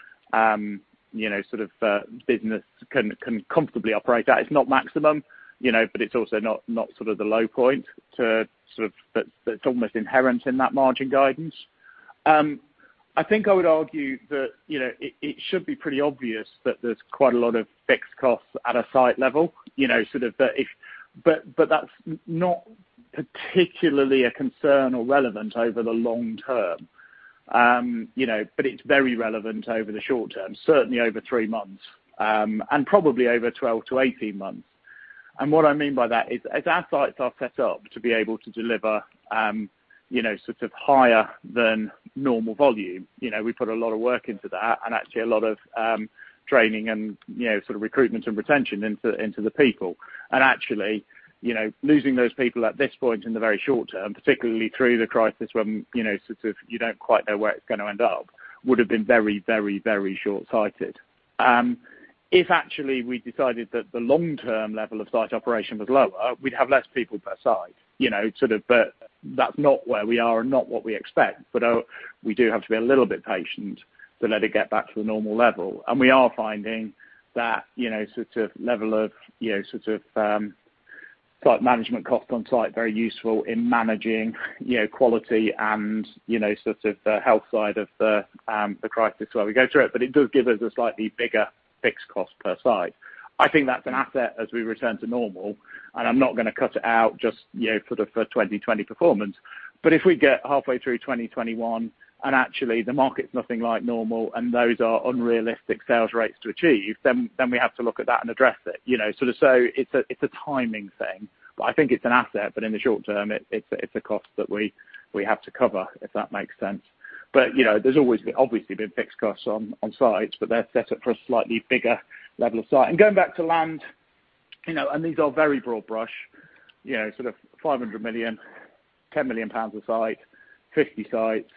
business can comfortably operate at. It's not maximum, but it's also not the low point. That's almost inherent in that margin guidance. I think I would argue that it should be pretty obvious that there's quite a lot of fixed costs at a site level. That's not particularly a concern or relevant over the long-term. It's very relevant over the short-term, certainly over three months, and probably over 12-18 months. What I mean by that is as our sites are set up to be able to deliver higher than normal volume, we put a lot of work into that and actually a lot of training and recruitment and retention into the people. Actually, losing those people at this point in the very short-term, particularly through the crisis when you don't quite know where it's going to end up, would have been very short-sighted. If actually we decided that the long-term level of site operation was lower, we'd have less people per site. That's not where we are and not what we expect. We do have to be a little bit patient to let it get back to a normal level. We are finding that level of site management cost on site very useful in managing quality and the health side of the crisis while we go through it. It does give us a slightly bigger fixed cost per site. I think that's an asset as we return to normal, and I'm not going to cut it out just for the 2020 performance. If we get halfway through 2021, and actually the market's nothing like normal and those are unrealistic sales rates to achieve, then we have to look at that and address it. It's a timing thing. I think it's an asset, but in the short term, it's a cost that we have to cover, if that makes sense. There's always obviously been fixed costs on sites, but they're set up for a slightly bigger level of site. Going back to land, these are very broad brush, 500 million, 10 million pounds a site, 50 sites,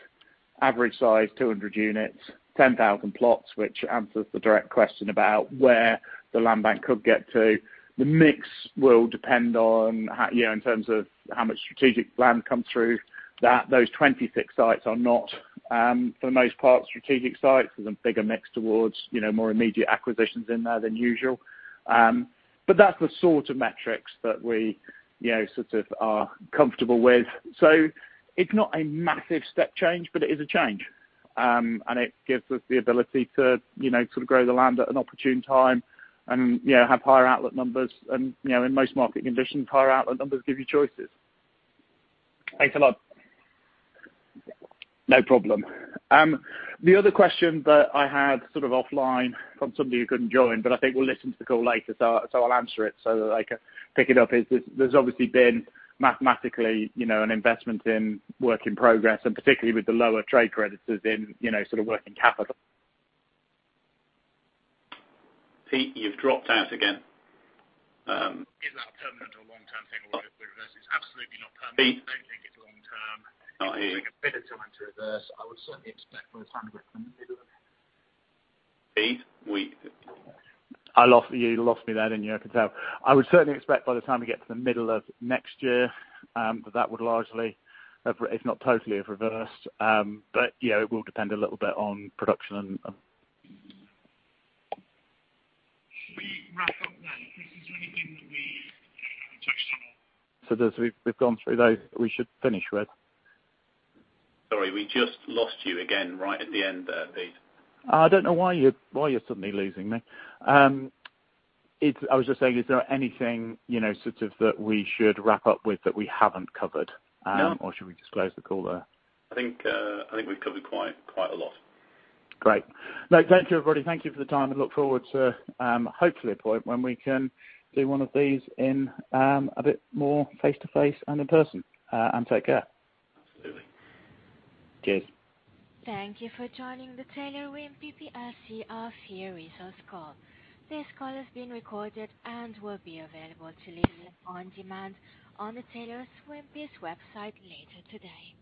average size 200 units, 10,000 plots, which answers the direct question about where the land bank could get to. The mix will depend on in terms of how much strategic land comes through, that those 26 sites are not, for the most part, strategic sites. There's a bigger mix towards more immediate acquisitions in there than usual. That's the sort of metrics that we are comfortable with. It's not a massive step change, but it is a change. It gives us the ability to grow the land at an opportune time and have higher outlet numbers. In most market conditions, higher outlet numbers give you choices. Thanks a lot. No problem. The other question that I had offline from somebody who couldn't join, but I think will listen to the call later, so I will answer it so that I can pick it up, is there is obviously been mathematically an investment in work in progress, and particularly with the lower trade creditors in working capital. Pete, you've dropped out again. Is that a permanent or long-term thing or will it reverse? It's absolutely not permanent. Pete. I don't think it's long-term. Not hearing you. I think a bit of time to reverse. I would certainly expect by the time we get to the middle of. Pete. You lost me there, didn't you? I can tell. I would certainly expect by the time we get to the middle of next year, that would largely, if not totally, have reversed. It will depend a little bit on production and. Should we wrap up-now? Is there anything that we haven't touched on? As we've gone through those, we should finish, [Wes]. Sorry, we just lost you again right at the end there, Pete. I don't know why you're suddenly losing me. I was just saying, is there anything that we should wrap-up with that we haven't covered? No. Should we just close the call there? I think we've covered quite a lot. Great. No, thank you, everybody. Thank you for the time and look forward to hopefully a point when we can do one of these in a bit more face-to-face and in person. Take care. Absolutely. Cheers. Thank you for joining the Taylor Wimpey Plc Half Year Results Call. This call is being recorded and will be available to listen on demand on the Taylor Wimpey's website later today.